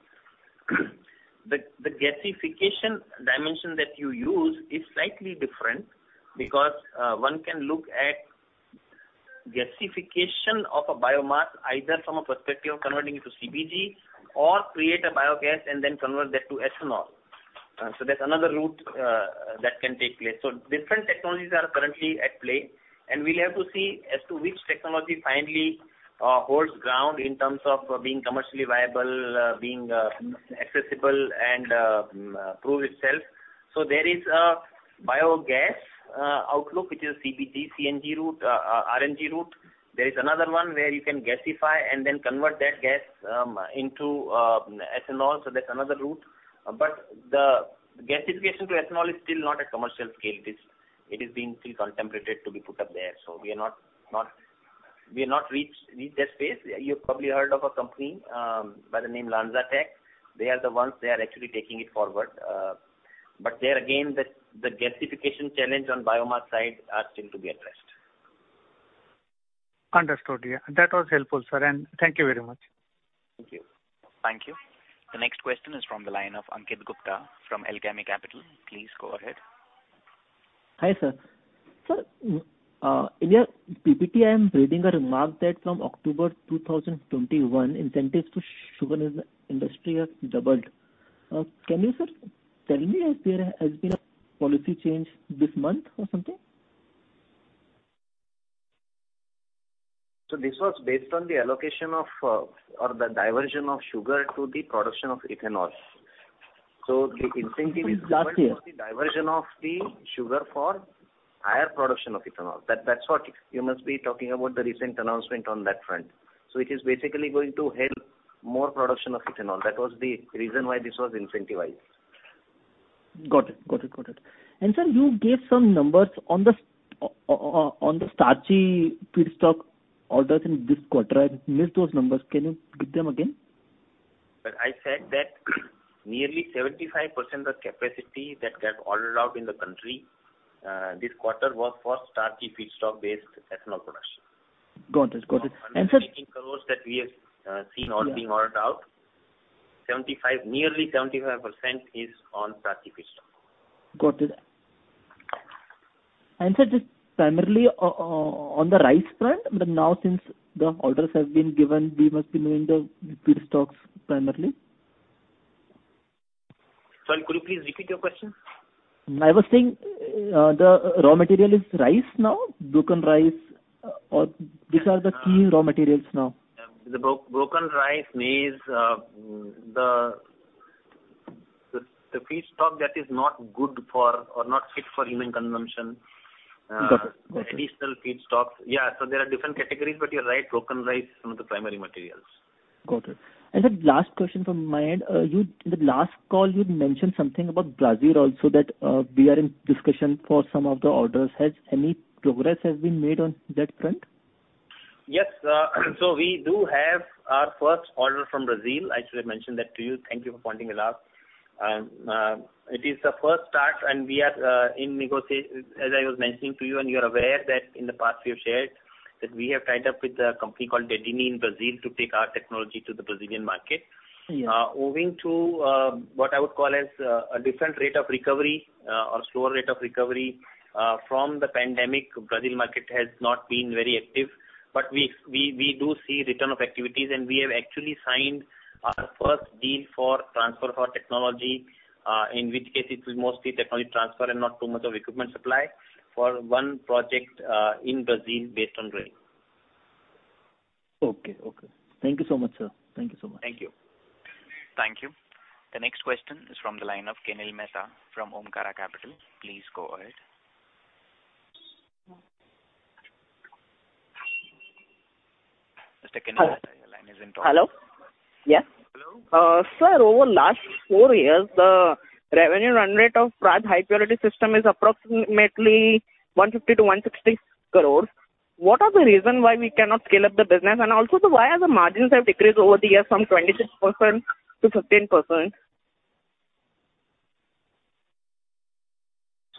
The gasification dimension that you use is slightly different because one can look at gasification of a biomass either from a perspective of converting it to CBG or create a biogas and then convert that to ethanol. That's another route that can take place. Different technologies are currently at play, and we'll have to see as to which technology finally holds ground in terms of being commercially viable, being accessible and prove itself. There is a biogas outlook, which is CBG, CNG route, RNG route. There is another one where you can gasify and then convert that gas into ethanol, so that's another route. The gasification to ethanol is still not at commercial scale. It is being still contemplated to be put up there. We have not reached that space. You've probably heard of a company by the name LanzaTech. They are the ones actually taking it forward. There again, the gasification challenge on biomass side are still to be addressed. Understood. Yeah. That was helpful, sir, and thank you very much. Thank you. Thank you. The next question is from the line of Ankit Gupta from Alchemy Capital. Please go ahead. Hi, sir. Sir, in your PPT I am reading a remark that from October 2021, incentives to sugar industry have doubled. Can you, sir, tell me has there been a policy change this month or something? This was based on the allocation of, or the diversion of sugar to the production of ethanol. The incentive is- Got it. For the diversion of the sugar for higher production of ethanol. That's what you must be talking about the recent announcement on that front. It is basically going to help more production of ethanol. That was the reason why this was incentivized. Got it. Sir, you gave some numbers on the starchy feedstock orders in this quarter. I missed those numbers. Can you give them again? Sir, I said that nearly 75% of capacity that got ordered out in the country this quarter was for starchy feedstock-based ethanol production. Got it. Sir- In crores that we have seen or being ordered out, nearly 75% is on starchy feedstock. Got it. Sir, just primarily on the rice front, but now since the orders have been given, we must be doing the feedstocks primarily. Sorry, could you please repeat your question? I was saying, the raw material is rice now? Broken rice, or which are the key raw materials now? The broken rice, maize, the feedstock that is not good for or not fit for human consumption. Got it. Additional feedstocks. Yeah, there are different categories, but you're right, broken rice is one of the primary materials. Got it. Sir, last question from my end. You in the last call you'd mentioned something about Brazil also that we are in discussion for some of the orders. Has any progress been made on that front? Yes. We do have our first order from Brazil. I should have mentioned that to you. Thank you for pointing it out. As I was mentioning to you and you're aware that in the past we have shared that we have tied up with a company called Dedini in Brazil to take our technology to the Brazilian market. Yeah. Owing to what I would call as a different rate of recovery or slower rate of recovery from the pandemic, Brazil market has not been very active. We do see return of activities, and we have actually signed our first deal for technology transfer, in which case it is mostly technology transfer and not too much of equipment supply for one project in Brazil based on 2G. Okay. Thank you so much, sir. Thank you. Thank you. The next question is from the line of Kenil Mehta from Omkara Capital. Please go ahead. Mr. Kenil Mehta, your line is in talk. Hello? Yeah. Hello. Sir, over last 4 years, the revenue run rate of Praj HiPurity Systems is approximately 150 crore-160 crore. What are the reason why we cannot scale up the business? Why are the margins have decreased over the years from 26% to 15%?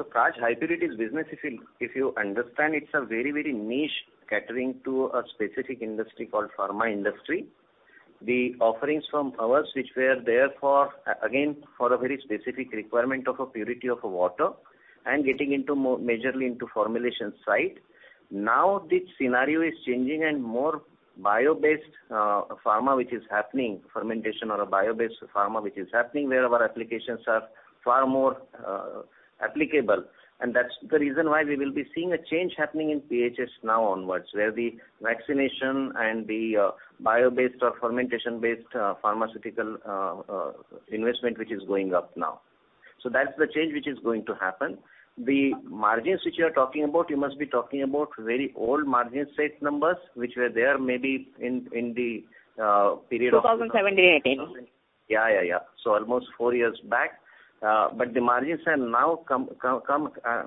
Praj HiPurity's business, if you understand, it's a very niche catering to a specific industry called pharma industry. The offerings from ours which were there for, again, for a very specific requirement of a purity of a water and getting into majorly into formulation side. Now the scenario is changing and more bio-based pharma which is happening, fermentation or a bio-based pharma which is happening where our applications are far more applicable. That's the reason why we will be seeing a change happening in PHS now onwards, where the vaccination and the bio-based or fermentation-based pharmaceutical investment which is going up now. That's the change which is going to happen. The margins which you are talking about, you must be talking about very old margin set numbers, which were there maybe in the period of 2017, 2018. Yeah, yeah. Almost four years back. The margins have now come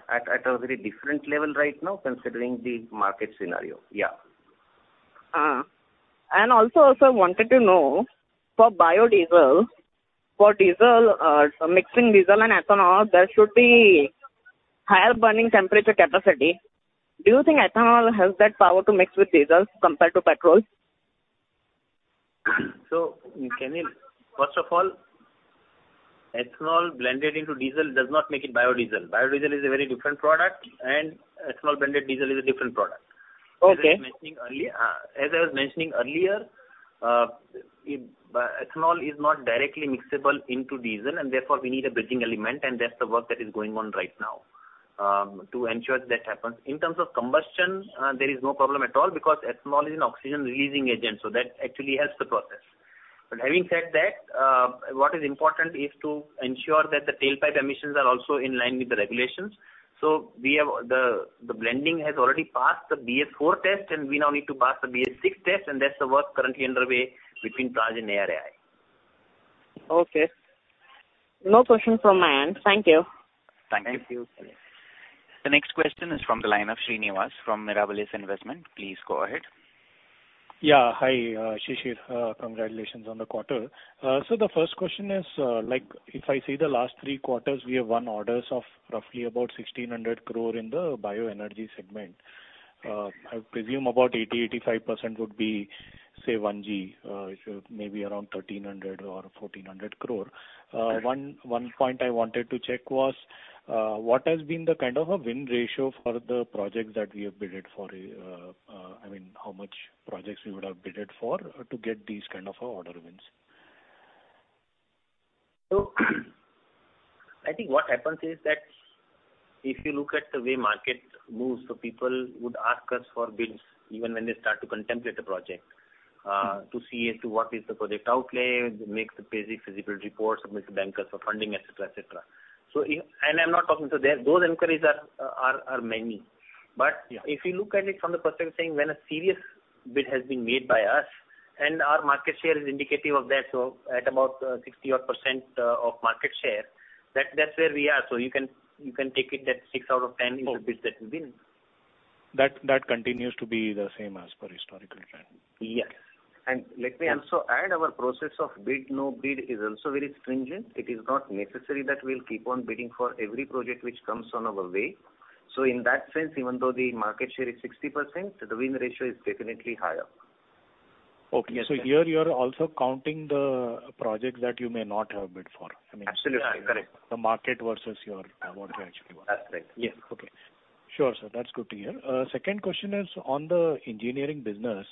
at a very different level right now considering the market scenario. Yeah. Also, sir, I wanted to know for biodiesel, for diesel, so mixing diesel and ethanol, there should be higher burning temperature capacity. Do you think ethanol has that power to mix with diesel compared to petrol? Kenil, first of all, ethanol blended into diesel does not make it biodiesel. Biodiesel is a very different product and ethanol blended diesel is a different product. Okay. As I was mentioning earlier, ethanol is not directly mixable into diesel and therefore we need a bridging element and that's the work that is going on right now, to ensure that happens. In terms of combustion, there is no problem at all because ethanol is an oxygen-releasing agent, so that actually helps the process. Having said that, what is important is to ensure that the tailpipe emissions are also in line with the regulations. The blending has already passed the BS4 test and we now need to pass the BS6 test and that's the work currently underway between Praj and ARAI. Okay. No question from my end. Thank you. Thank you. Thank you. The next question is from the line of Srinivas from Mirabilis Investment. Please go ahead. Yeah. Hi, Shishir Joshipura. Congratulations on the quarter. The first question is, like, if I see the last three quarters, we have won orders of roughly about 1,600 crore in the bioenergy segment. I presume about 80-85% would be, say, 1G, which is maybe around 1,300 or 1,400 crore. One point I wanted to check was, what has been the kind of a win ratio for the projects that we have bid for. I mean, how many projects we would have bid for to get these kind of order wins? I think what happens is that if you look at the way market moves, people would ask us for bids even when they start to contemplate a project, to see as to what is the project outlay, make the basic feasibility reports, submit to the bankers for funding, et cetera, et cetera. And I'm not talking to them. Those inquiries are many. But Yeah. If you look at it from the perspective saying when a serious bid has been made by us and our market share is indicative of that, so at about 60-odd% of market share, that's where we are. You can take it at 6 out of 10 is the bids that we win. That continues to be the same as per historical trend. Yes. Let me also add our process of bid-no-bid is also very stringent. It is not necessary that we'll keep on bidding for every project which comes on our way. In that sense, even though the market share is 60%, the win ratio is definitely higher. Okay. Yes. Here you are also counting the projects that you may not have bid for. I mean. Absolutely. Yeah, correct. The market versus what you actually want. That's right. Yes. Okay. Sure, sir. That's good to hear. Second question is on the engineering business.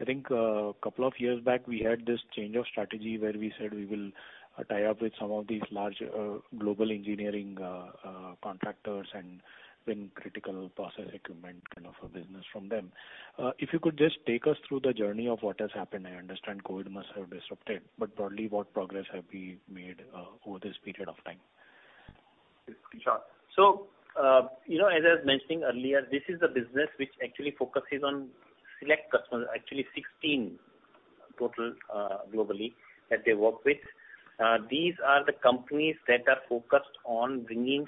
I think, couple of years back we had this change of strategy where we said we will tie up with some of these large, global engineering, contractors and win critical process equipment kind of a business from them. If you could just take us through the journey of what has happened. I understand COVID must have disrupted, but broadly, what progress have we made, over this period of time? Sure. You know, as I was mentioning earlier, this is the business which actually focuses on select customers, actually 16 total, globally that they work with. These are the companies that are focused on bringing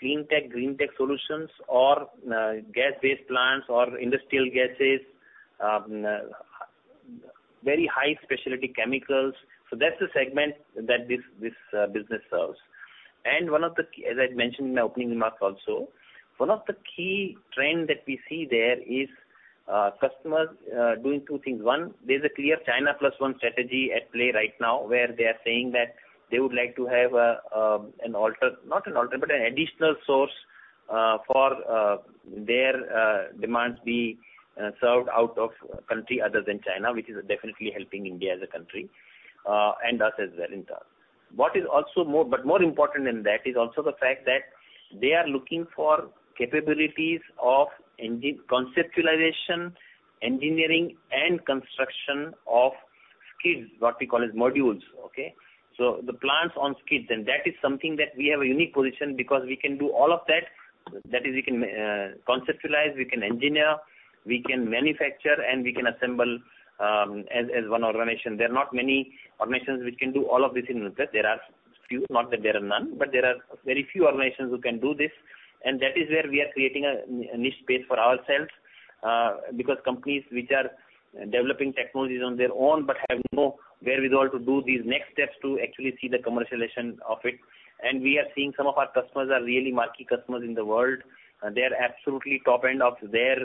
clean tech, green tech solutions or gas-based plants or industrial gases, very high specialty chemicals. That's the segment that this business serves. One of the key, as I mentioned in my opening remarks also, one of the key trend that we see there is customers doing two things. One, there's a clear China plus one strategy at play right now where they are saying that they would like to have an additional source for their demands to be served out of a country other than China, which is definitely helping India as a country and us as well in turn. But more important than that is the fact that they are looking for capabilities of conceptualization, engineering and construction of skids, what we call modules. Okay. The plants on skids, and that is something that we have a unique position because we can do all of that. That is, we can conceptualize, we can engineer, we can manufacture, and we can assemble as one organization. There are not many organizations which can do all of this in one place. There are few, not that there are none, but there are very few organizations who can do this. That is where we are creating a niche space for ourselves, because companies which are developing technologies on their own but have no wherewithal to do these next steps to actually see the commercialization of it. We are seeing some of our customers are really marquee customers in the world. They are absolutely top end of their,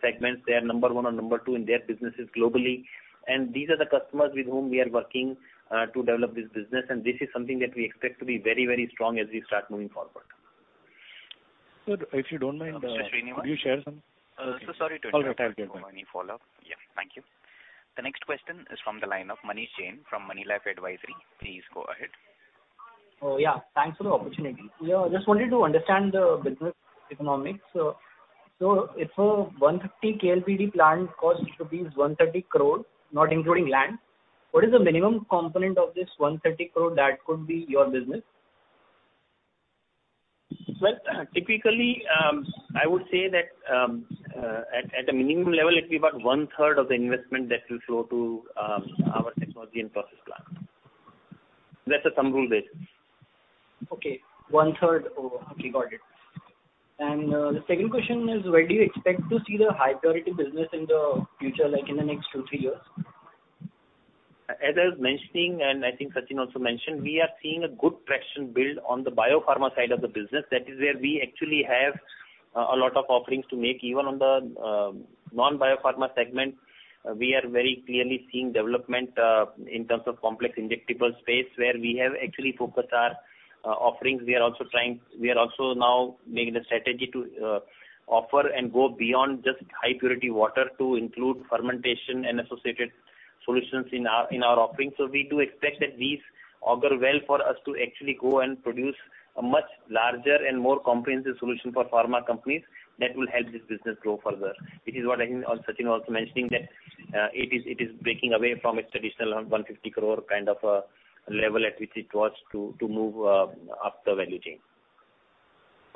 segments. They are number one or number two in their businesses globally. These are the customers with whom we are working to develop this business. This is something that we expect to be very, very strong as we start moving forward. Good. If you don't mind, Mr. Srinivas Could you share some? Sorry to interrupt- All good. I'll get back. For any follow-up. Yeah. Thank you. The next question is from the line of Manish Jain from Moneylife Advisory. Please go ahead. Thanks for the opportunity. Yeah, just wanted to understand the business economics. If a 150 KLPD plant costs 130 crore, not including land, what is the minimum component of this 130 crore that could be your business? Well, typically, I would say that at a minimum level, it's about one third of the investment that will flow to our technology and process plant. That's a thumb rule basis. Okay. One third. Oh, okay. Got it. The second question is, where do you expect to see the high purity business in the future, like in the next two, three years? As I was mentioning, and I think Sachin also mentioned, we are seeing a good traction build on the biopharma side of the business. That is where we actually have a lot of offerings to make. Even on the non-biopharma segment, we are very clearly seeing development in terms of complex injectable space where we have actually focused our offerings. We are also now making the strategy to offer and go beyond just high purity water to include fermentation and associated solutions in our offerings. We do expect that these augur well for us to actually go and produce a much larger and more comprehensive solution for pharma companies that will help this business grow further. This is what I think, Sachin also mentioning that, it is breaking away from its traditional 150 crore kind of level at which it was to move up the value chain.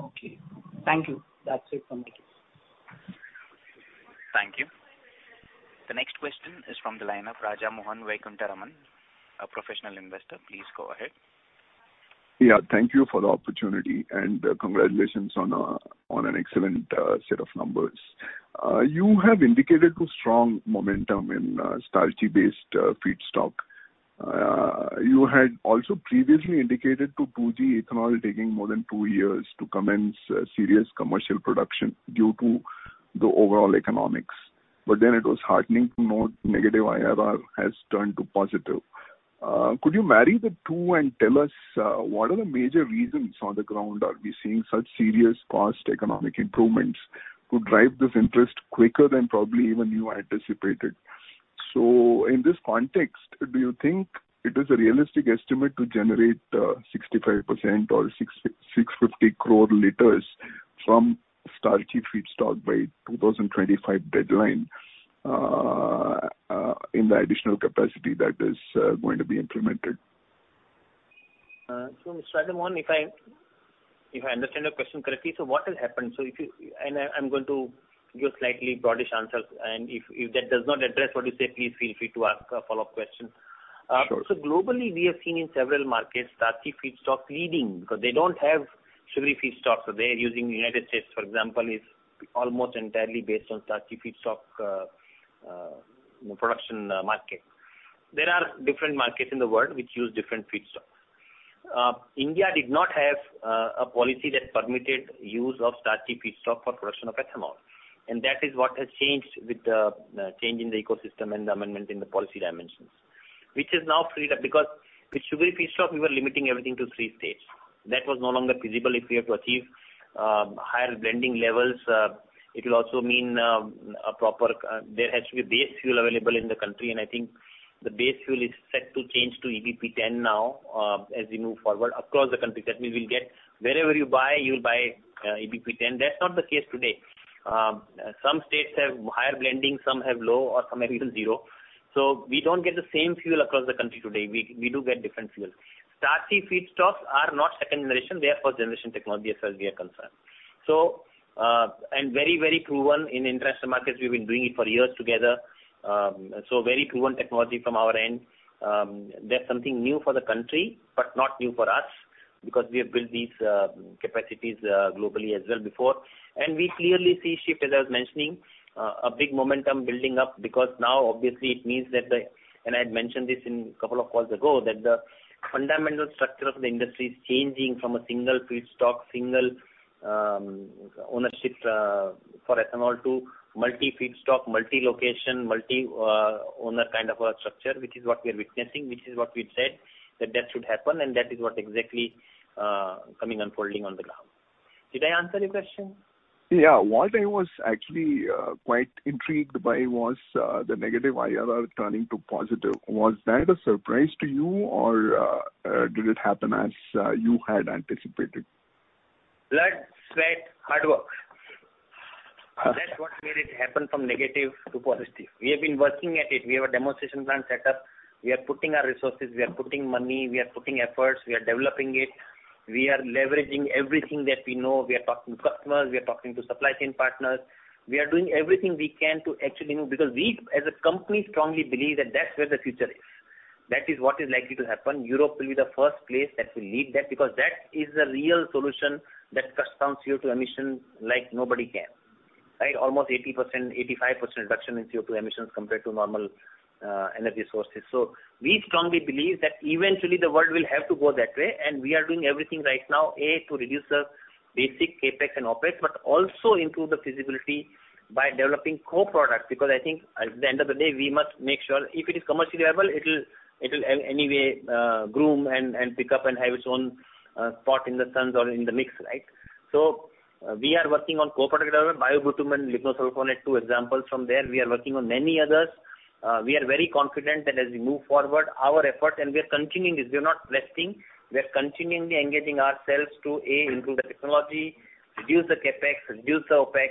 Okay. Thank you. That's it from my case. Thank you. The next question is from the line of Rajamohan Vaikuntaraman, a Professional Investor. Please go ahead. Yeah, thank you for the opportunity, and, congratulations on an excellent, set of numbers. You have indicated to strong momentum in, starchy-based, feedstock. You had also previously indicated to 2G ethanol taking more than two years to commence, serious commercial production due to the overall economics. It was heartening to note negative IRR has turned to positive. Could you marry the two and tell us, what are the major reasons on the ground are we seeing such serious cost economic improvements to drive this interest quicker than probably even you anticipated? In this context, do you think it is a realistic estimate to generate, 65% or 650 crore liters from starchy feedstock by 2025 deadline, in the additional capacity that is, going to be implemented? Mr. Rajamohan, if I understand your question correctly, so what has happened? If you, I'm going to give slightly broadish answers, and if that does not address what you say, please feel free to ask a follow-up question. Sure. Globally we have seen in several markets starchy feedstock leading because they don't have sugary feedstock. They're using the United States, for example, is almost entirely based on starchy feedstock production market. There are different markets in the world which use different feedstock. India did not have a policy that permitted use of starchy feedstock for production of ethanol, and that is what has changed with the change in the ecosystem and the amendment in the policy dimensions, which has now freed up because with sugary feedstock we were limiting everything to three states. That was no longer feasible if we have to achieve higher blending levels. It'll also mean a proper There has to be base fuel available in the country, and I think the base fuel is set to change to EBP10 now as we move forward across the country. That means we'll get wherever you buy, you'll buy EBP10. That's not the case today. Some states have higher blending, some have low, or some have even zero. So we don't get the same fuel across the country today. We do get different fuels. Starchy feedstocks are not second generation, they are first generation technology as far as we are concerned. So and very proven in international markets. We've been doing it for years together. So very proven technology from our end. That's something new for the country, but not new for us because we have built these capacities globally as well before. We clearly see a shift, as I was mentioning, a big momentum building up because now obviously it means that. I had mentioned this in a couple of calls ago, that the fundamental structure of the industry is changing from a single feedstock, single ownership for ethanol to multi-feedstock, multi-location, multi owner kind of a structure, which is what we are witnessing, which is what we'd said that should happen and that is what exactly unfolding on the ground. Did I answer your question? Yeah. What I was actually quite intrigued by was the negative IRR turning to positive. Was that a surprise to you or did it happen as you had anticipated? Blood, sweat, hard work. That's what made it happen from negative to positive. We have been working at it. We have a demonstration plant set up. We are putting our resources, we are putting money, we are putting efforts, we are developing it. We are leveraging everything that we know. We are talking to customers, we are talking to supply chain partners. We are doing everything we can to actually move because we as a company strongly believe that that's where the future is. That is what is likely to happen. Europe will be the first place that will lead that because that is a real solution that cuts down CO2 emissions like nobody can, right? Almost 80%-85% reduction in CO2 emissions compared to normal energy sources. We strongly believe that eventually the world will have to go that way and we are doing everything right now to reduce the basic CapEx and OpEx, but also improve the feasibility by developing co-products. Because I think at the end of the day, we must make sure if it is commercially viable, it'll anyway groom and pick up and have its own spot in the sun or in the mix, right? We are working on co-product development, Bio-bitumen, lignosulfonate, two examples from there. We are working on many others. We are very confident that as we move forward our effort. We are continuing this, we are not resting. We are continually engaging ourselves to improve the technology, reduce the CapEx, reduce the OpEx,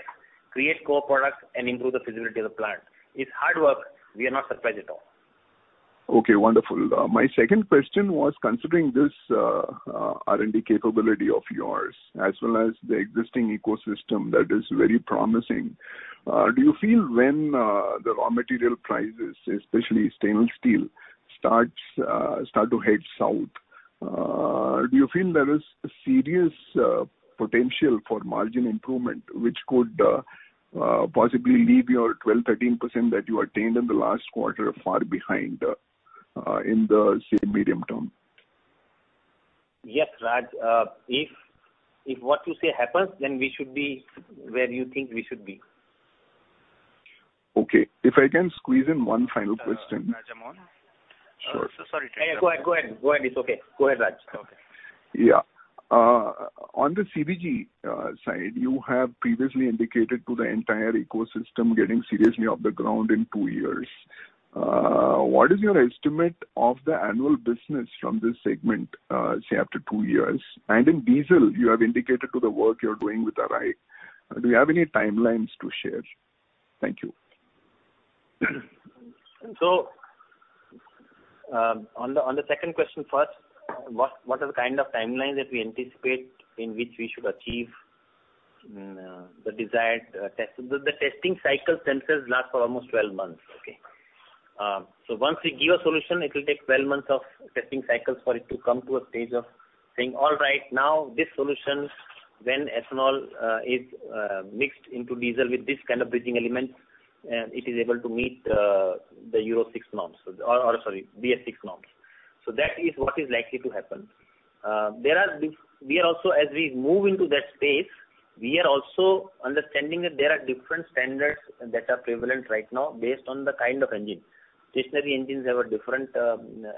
create co-products and improve the feasibility of the plant. It's hard work. We are not surprised at all. Okay, wonderful. My second question was considering this R&D capability of yours as well as the existing ecosystem that is very promising, do you feel when the raw material prices, especially stainless steel, start to head south, do you feel there is serious potential for margin improvement which could possibly leave your 12%-13% that you attained in the last quarter far behind, in the say medium term? Yes, Raj. If what you say happens, then we should be where you think we should be. Okay. If I can squeeze in one final question. Rajamohan. Sure. Yeah, go ahead. It's okay. Go ahead, Raj. Okay. Yeah. On the CBG side, you have previously indicated to the entire ecosystem getting seriously off the ground in two years. What is your estimate of the annual business from this segment, say after two years? In diesel you have indicated to the work you're doing with ARAI. Do you have any timelines to share? Thank you. On the second question first, what are the kind of timelines that we anticipate in which we should achieve the desired test? The testing cycles last for almost 12 months. Once we give a solution, it will take 12 months of testing cycles for it to come to a stage of saying, all right, now this solution, when ethanol is mixed into diesel with this kind of bridging element, it is able to meet the Euro six norms. Or sorry, BS-VI norms. That is what is likely to happen. There are we are also as we move into that space, we are also understanding that there are different standards that are prevalent right now based on the kind of engine. Stationary engines have a different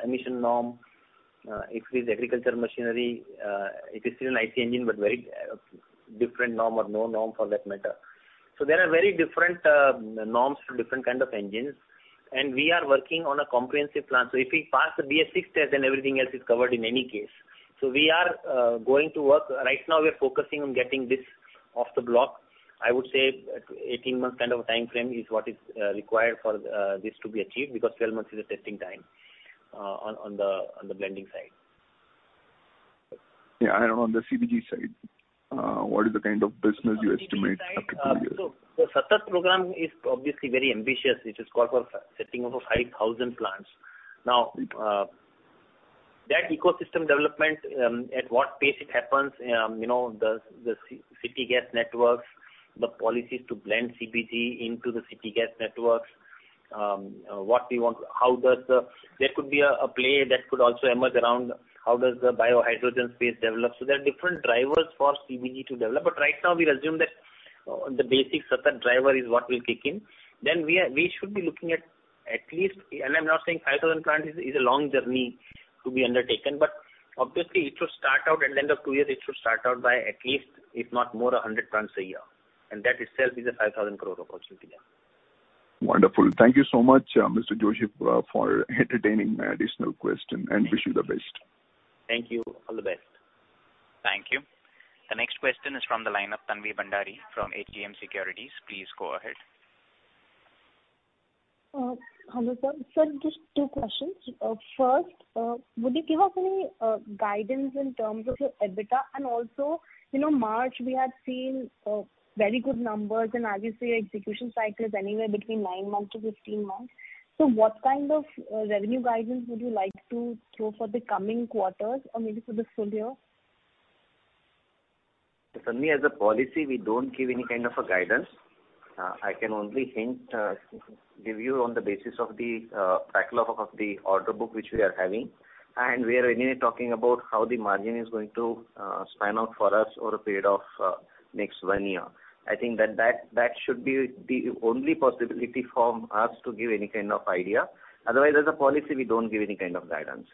emission norm. If it is agricultural machinery, it is still an IC engine, but very different norm or no norm for that matter. There are very different norms for different kind of engines, and we are working on a comprehensive plan. If we pass the BS-VI test, then everything else is covered in any case. We are going to work. Right now we are focusing on getting this off the block. I would say 18 months kind of a timeframe is what is required for this to be achieved because 12 months is a testing time on the blending side. Yeah. On the CBG side, what is the kind of business you estimate after two years? On CBG side, SATAT program is obviously very ambitious, which is called for setting up of 5,000 plants. Now, that ecosystem development at what pace it happens, you know, the city gas networks, the policies to blend CBG into the city gas networks. There could be a play that could also emerge around how does the biohydrogen space develop. There are different drivers for CBG to develop, but right now we'll assume that the basic SATAT driver is what will kick in. We should be looking at least, and I'm not saying 5,000 plants is a long journey to be undertaken, but obviously it should start out by at least if not more, 100 plants a year, and that itself is an 5,000 crore opportunity. Wonderful. Thank you so much, Mr. Joshipura, for entertaining my additional question and wish you the best. Thank you. All the best. Thank you. The next question is from the line of Tanvi Bhandari from Hem Securities. Please go ahead. Hello, sir. Sir, just two questions. First, would you give us any guidance in terms of your EBITDA? And also, you know, March we had seen very good numbers and obviously your execution cycle is anywhere between 9-15 months. What kind of revenue guidance would you like to throw for the coming quarters or maybe for the full year? Tanvi, as a policy, we don't give any kind of a guidance. I can only hint, give you on the basis of the, backlog of the order book, which we are having, and we are anyway talking about how the margin is going to, span out for us over a period of, next one year. I think that should be the only possibility from us to give any kind of idea. Otherwise, as a policy, we don't give any kind of guidance.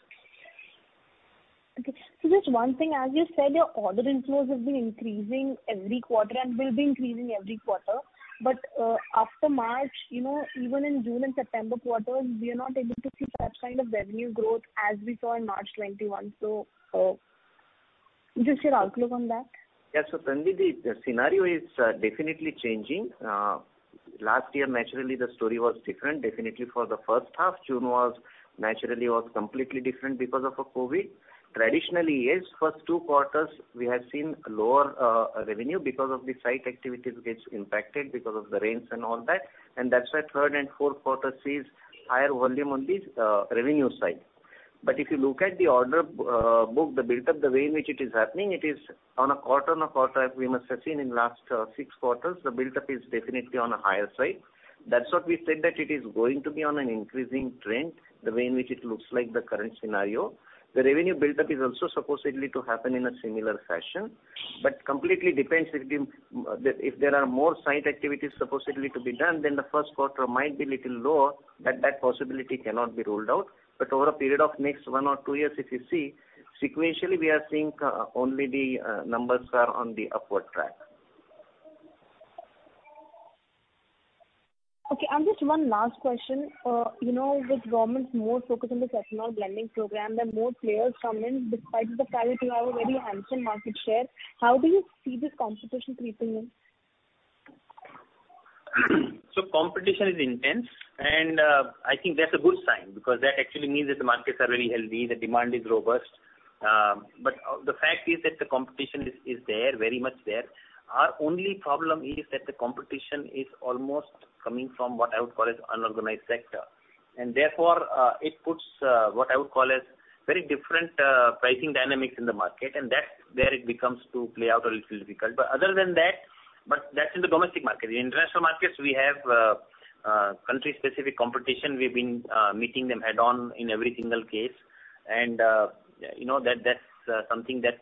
Okay. Just one thing, as you said, your order inflows has been increasing every quarter and will be increasing every quarter. After March, you know, even in June and September quarters, we are not able to see that kind of revenue growth as we saw in March 2021. Just your outlook on that. Yeah. Tanvi, the scenario is definitely changing. Last year naturally the story was different. Definitely for the first half, June was naturally completely different because of COVID. Traditionally, first two quarters we have seen lower revenue because of the site activities gets impacted because of the rains and all that. That's why third and fourth quarter sees higher volume on the revenue side. If you look at the order book, the buildup, the way in which it is happening, it is on a quarter-on-quarter, we must have seen in last six quarters the buildup is definitely on a higher side. That's what we said, that it is going to be on an increasing trend, the way in which it looks like the current scenario. The revenue buildup is also supposedly to happen in a similar fashion, but completely depends if there are more site activities supposedly to be done, then the first quarter might be little lower. That possibility cannot be ruled out. Over a period of next one or two years, if you see, sequentially we are seeing only the numbers are on the upward track. Okay. Just one last question. You know, with government's more focus on the ethanol blending program, there are more players coming in despite the fact that you have a very handsome market share. How do you see this competition creeping in? Competition is intense, and I think that's a good sign because that actually means that the markets are very healthy, the demand is robust. The fact is that the competition is there, very much there. Our only problem is that the competition is almost coming from what I would call as unorganized sector. And therefore, it puts what I would call as very different pricing dynamics in the market, and that's where it becomes to play out a little difficult. Other than that. That's in the domestic market. In international markets, we have country-specific competition. We've been meeting them head on in every single case. You know, that's something that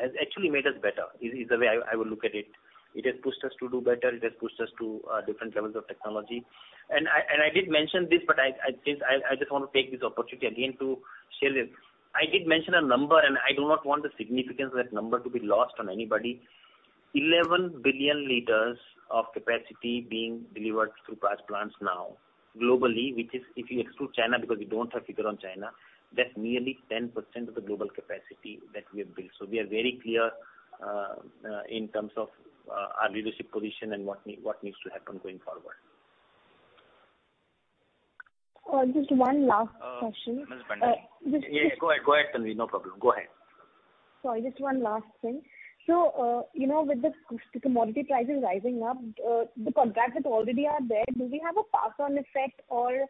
has actually made us better, is the way I would look at it. It has pushed us to do better. It has pushed us to different levels of technology. I did mention this, but I just wanna take this opportunity again to share this. I did mention a number, and I do not want the significance of that number to be lost on anybody. 11 billion liters of capacity being delivered through Praj plants now globally, which is if you exclude China because we don't have figure on China, that's nearly 10% of the global capacity that we have built. We are very clear in terms of our leadership position and what needs to happen going forward. Just one last question. Tanvi Bhandari. Uh, just- Yeah, go ahead. Go ahead, Tanvi. No problem. Go ahead. Sorry, just one last thing. You know, with the commodity prices rising up, the contracts that already are there, do we have a pass-on effect or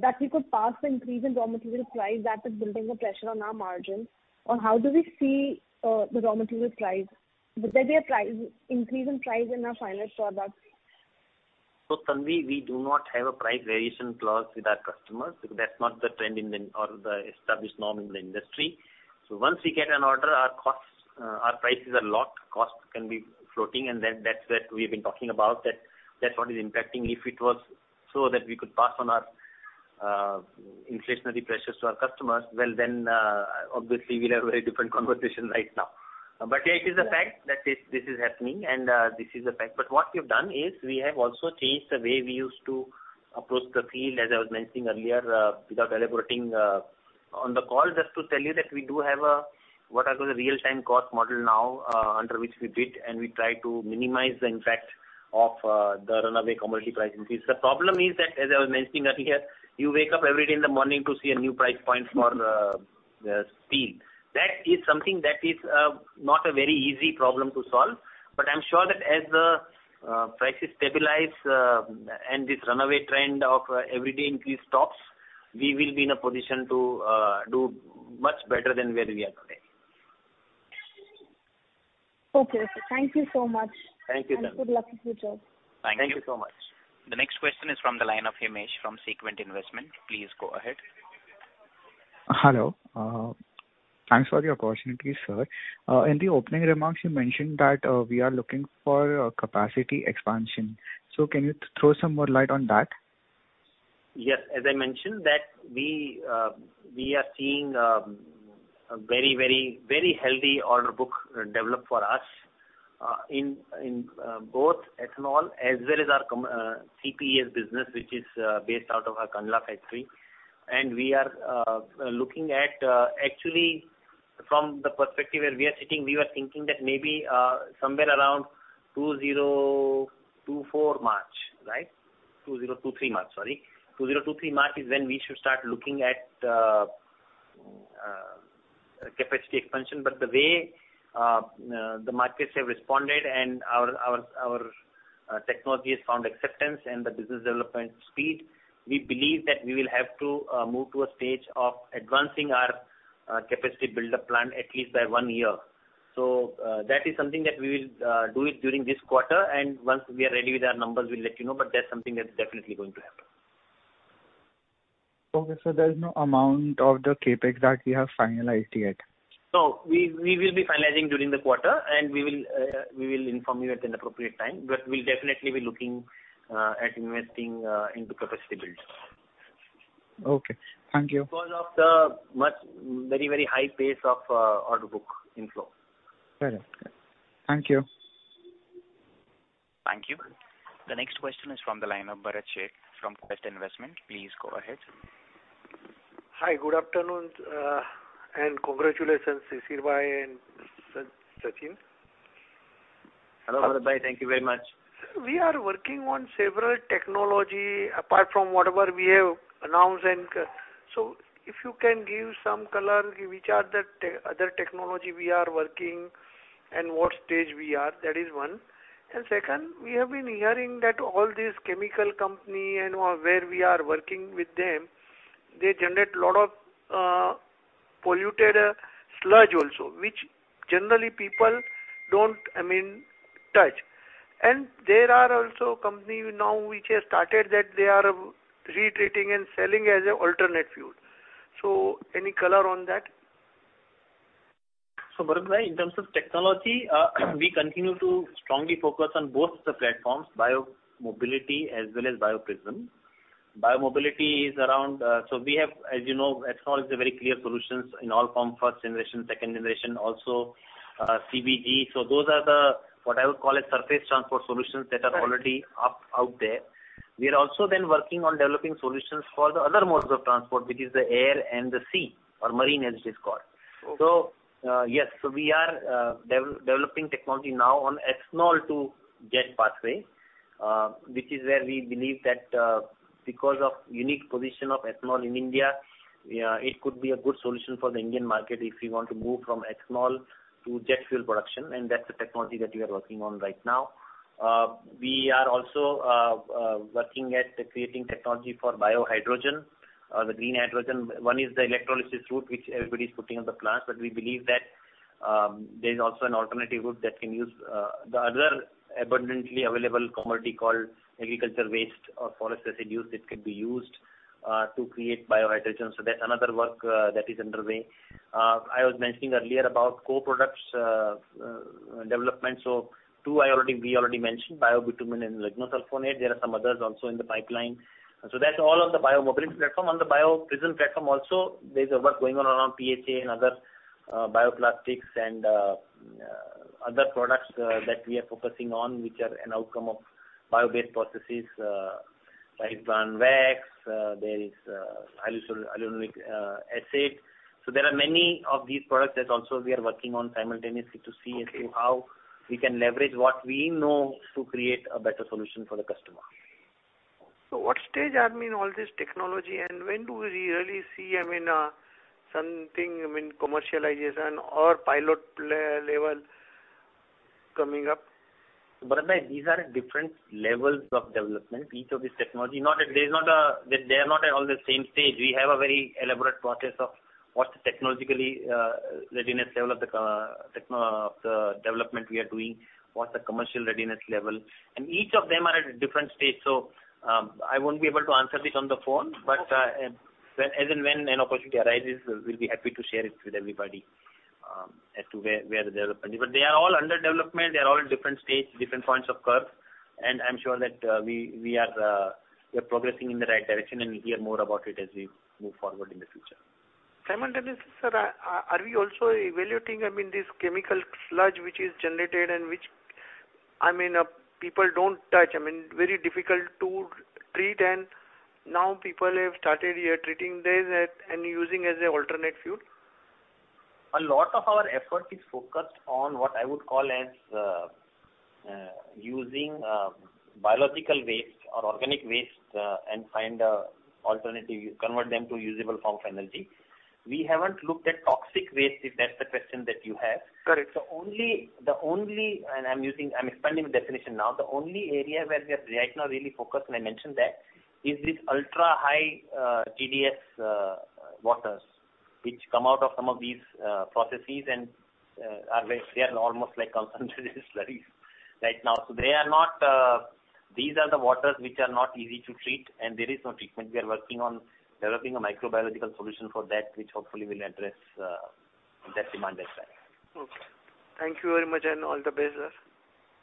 that we could pass the increase in raw material price that is building the pressure on our margin? How do we see the raw material price? Will there be a price increase in our final products? Tanvi, we do not have a price variation clause with our customers because that's not the trend or the established norm in the industry. Once we get an order, our costs, our prices are locked, costs can be floating, and then that's where we've been talking about that that's what is impacting. If it was so that we could pass on our, inflationary pressures to our customers, well, then, obviously we'll have a very different conversation right now. Yeah, it is a fact that this is happening and, this is a fact. What we've done is we have also changed the way we used to approach the field, as I was mentioning earlier, without elaborating on the call, just to tell you that we do have a what I call a real-time cost model now, under which we bid, and we try to minimize the impact of the runaway commodity price increase. The problem is that, as I was mentioning earlier, you wake up every day in the morning to see a new price point for steel. That is something that is not a very easy problem to solve. I'm sure that as the prices stabilize and this runaway trend of everyday increase stops, we will be in a position to do much better than where we are today. Okay, sir. Thank you so much. Thank you, Tanvi. Good luck in future. Thank you so much. Thank you. The next question is from the line of Himesh from Sequent Investments. Please go ahead. Hello. Thanks for the opportunity, sir. In the opening remarks, you mentioned that we are looking for capacity expansion. Can you throw some more light on that? Yes. As I mentioned that we are seeing a very healthy order book develop for us in both ethanol as well as our CPES business, which is based out of our Kandla factory. We are looking at actually from the perspective where we are sitting, we were thinking that maybe somewhere around 2024 March, right? 2023 March, sorry. 2023 March is when we should start looking at capacity expansion. The way the markets have responded and our technology has found acceptance and the business development speed, we believe that we will have to move to a stage of advancing our capacity buildup plan at least by one year. That is something that we will do it during this quarter, and once we are ready with our numbers, we'll let you know, but that's something that's definitely going to happen. Okay. There's no amount of the CapEx that you have finalized yet? No. We will be finalizing during the quarter, and we will inform you at an appropriate time. We'll definitely be looking at investing into capacity build. Okay. Thank you. Because of the much, very high pace of order book inflow. Fair enough. Thank you. Thank you. The next question is from the line of Bharat Sheth from Quest Investment. Please go ahead. Hi. Good afternoon. Congratulations, Shishirbhai and Sachin. Hello, Bharatbhai. Thank you very much. Sir, we are working on several technology apart from whatever we have announced. If you can give some color, which are the other technology we are working and what stage we are? That is one. Second, we have been hearing that all these chemical company and where we are working with them, they generate a lot of polluted sludge also, which generally people don't, I mean, touch. There are also company now which have started that they are retreading and selling as a alternate fuel. Any color on that? Bharatbhai, in terms of technology, we continue to strongly focus on both the platforms, Bio-Mobility as well as BioPrism. Bio-Mobility is around, so we have, as you know, ethanol is a very clear solutions in all form, first generation, second generation, also, CBG. Those are the, what I would call it, surface transport solutions that are already up out there. We are also then working on developing solutions for the other modes of transport, which is the air and the sea or marine, as it is called. Okay. Yes. We are developing technology now on ethanol-to-jet pathway, which is where we believe that, because of unique position of ethanol in India, it could be a good solution for the Indian market if we want to move from ethanol to jet fuel production, and that's the technology that we are working on right now. We are also working at creating technology for biohydrogen, the green hydrogen. One is the electrolysis route, which everybody's putting on the plants. We believe that, there is also an alternative route that can use the other abundantly available commodity called agricultural waste or forest residues that could be used to create biohydrogen. That's another work that is underway. I was mentioning earlier about co-products development. Too, we already mentioned, Bio-bitumen and lignosulfonate. There are some others also in the pipeline. That's all on the Bio-Mobility platform. On the BioPrism platform also, there's work going on around PHA and other bioplastics and other products that we are focusing on, which are an outcome of bio-based processes. Like bran wax, there is alginic acid. There are many of these products that also we are working on simultaneously to see as to how we can leverage what we know to create a better solution for the customer. What stage are, I mean, all this technology and when do we really see, I mean, something, I mean, commercialization or pilot level coming up? These are different levels of development, each of these technology. Not that they are not at all the same stage. We have a very elaborate process of what's the technological readiness level of the development we are doing, what's the commercial readiness level, and each of them are at a different stage. I won't be able to answer this on the phone, but as and when an opportunity arises, we'll be happy to share it with everybody, as to where the development is. They are all under development. They are all at a different stage, different points of curve, and I'm sure that we are progressing in the right direction and you'll hear more about it as we move forward in the future. Simultaneously, sir, are we also evaluating, I mean, this chemical sludge which is generated and which, I mean, people don't touch, I mean, very difficult to treat, and now people have started here treating this and using as a alternate fuel? A lot of our effort is focused on what I would call as using biological waste or organic waste and find an alternative, convert them to usable form finally. We haven't looked at toxic waste, if that's the question that you have. Correct. I'm expanding the definition now. The only area where we are right now really focused, and I mentioned that, is this ultra-high TDS waters which come out of some of these processes and are almost like concentrated slurries right now. These are the waters which are not easy to treat and there is no treatment. We are working on developing a microbiological solution for that which hopefully will address that demand as well. Okay. Thank you very much and all the best, sir.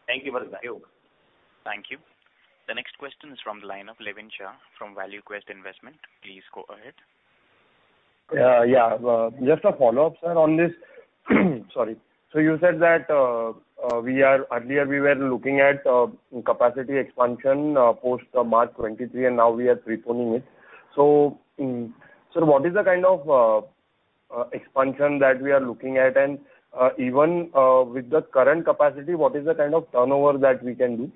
Thank you for the time. Thank you. Thank you. The next question is from the line of Levin Shah from ValueQuest Investment. Please go ahead. Yeah, yeah. Just a follow-up, sir, on this. Sorry. You said that earlier we were looking at capacity expansion post March 2023, and now we are preponing it. Sir, what is the kind of expansion that we are looking at? Even with the current capacity, what is the kind of turnover that we can do?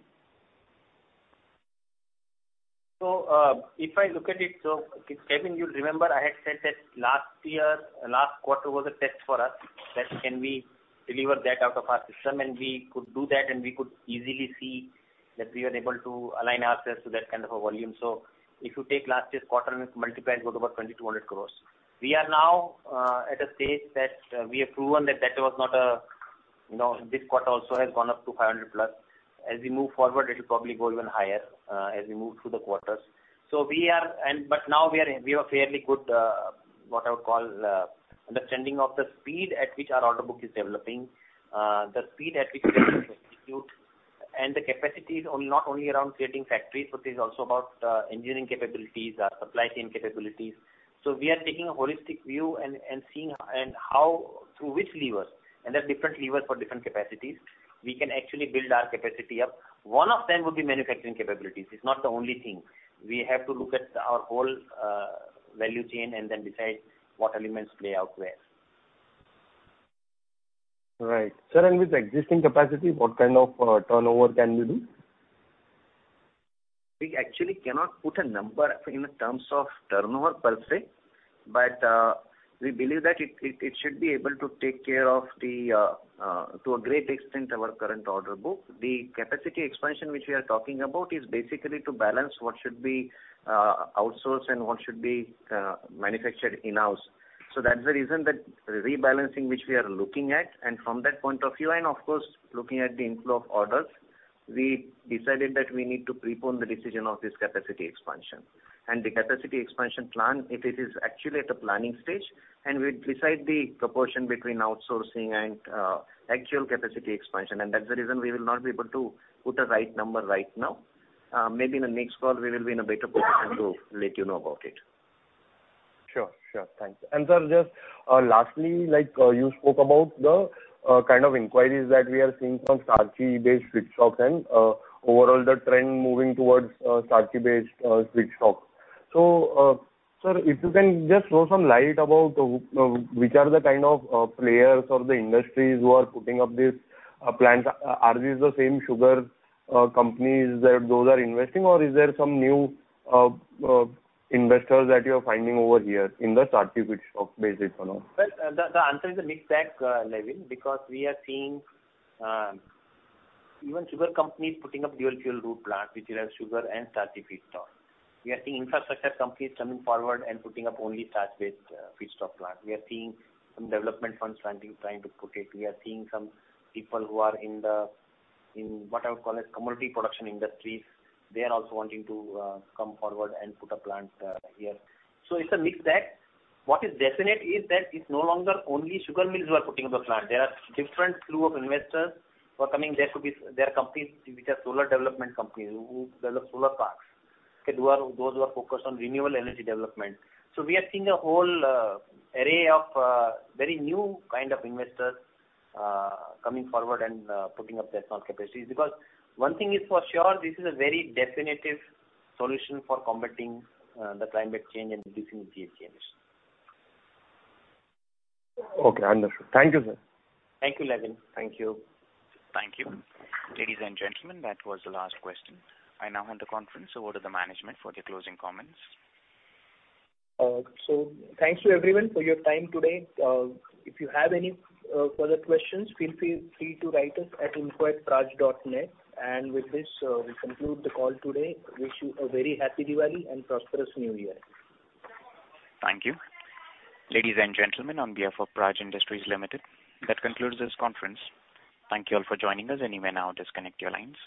If I look at it, Lavin, you remember I had said that last year, last quarter was a test for us, that can we deliver that out of our system, and we could do that, and we could easily see that we are able to align ourselves to that kind of a volume. If you take last year's quarter and multiply, it's about 2,200 crores. We are now at a stage that we have proven that that was not a, you know, this quarter also has gone up to 500+. As we move forward, it'll probably go even higher, as we move through the quarters. We are... Now we are. We have a fairly good what I would call understanding of the speed at which our order book is developing, the speed at which we can execute and the capacities not only around creating factories, but it's also about engineering capabilities, our supply chain capabilities. We are taking a holistic view and seeing how, through which levers, and there are different levers for different capacities, we can actually build our capacity up. One of them would be manufacturing capabilities. It's not the only thing. We have to look at our whole value chain and then decide what elements play out where. Right. Sir, and with the existing capacity, what kind of turnover can we do? We actually cannot put a number in terms of turnover per se, but we believe that it should be able to take care of, to a great extent, our current order book. The capacity expansion which we are talking about is basically to balance what should be outsourced and what should be manufactured in-house. That's the reason that rebalancing which we are looking at, and from that point of view, and of course, looking at the inflow of orders, we decided that we need to prepone the decision of this capacity expansion. The capacity expansion plan, it is actually at the planning stage, and we decide the proportion between outsourcing and actual capacity expansion, and that's the reason we will not be able to put a right number right now. Maybe in the next call, we will be in a better position to let you know about it. Sure. Thanks. Sir, just lastly, like you spoke about the kind of inquiries that we are seeing from starchy-based feedstock and overall the trend moving towards starchy-based feedstock. Sir, if you can just throw some light about which are the kind of players or the industries who are putting up these plants. Are these the same sugar companies that are investing or is there some new investors that you're finding over here in the starchy feedstock basis or no? Well, the answer is a mixed bag, Lavin, because we are seeing even sugar companies putting up dual fuel route plant which will have sugar and starchy feedstock. We are seeing infrastructure companies coming forward and putting up only starch-based feedstock plant. We are seeing some development funds trying to put it. We are seeing some people who are in what I would call as commodity production industries. They are also wanting to come forward and put a plant here. It's a mixed bag. What is definite is that it's no longer only sugar mills who are putting up a plant. There are different slew of investors who are coming. There are companies which are solar development companies who develop solar parks. Okay? Those who are focused on renewable energy development. We are seeing a whole array of very new kind of investors coming forward and putting up their own capacities because one thing is for sure, this is a very definitive solution for combating the climate change and reducing GHG emissions. Okay, understood. Thank you, sir. Thank you, Lavin. Thank you. Thank you. Ladies and gentlemen, that was the last question. I now hand the conference over to the management for their closing comments. Thanks to everyone for your time today. If you have any further questions, feel free to write us at inquire@praj.net. With this, we conclude the call today. Wish you a very happy Diwali and prosperous New Year. Thank you. Ladies and gentlemen, on behalf of Praj Industries Limited, that concludes this conference. Thank you all for joining us. You may now disconnect your lines.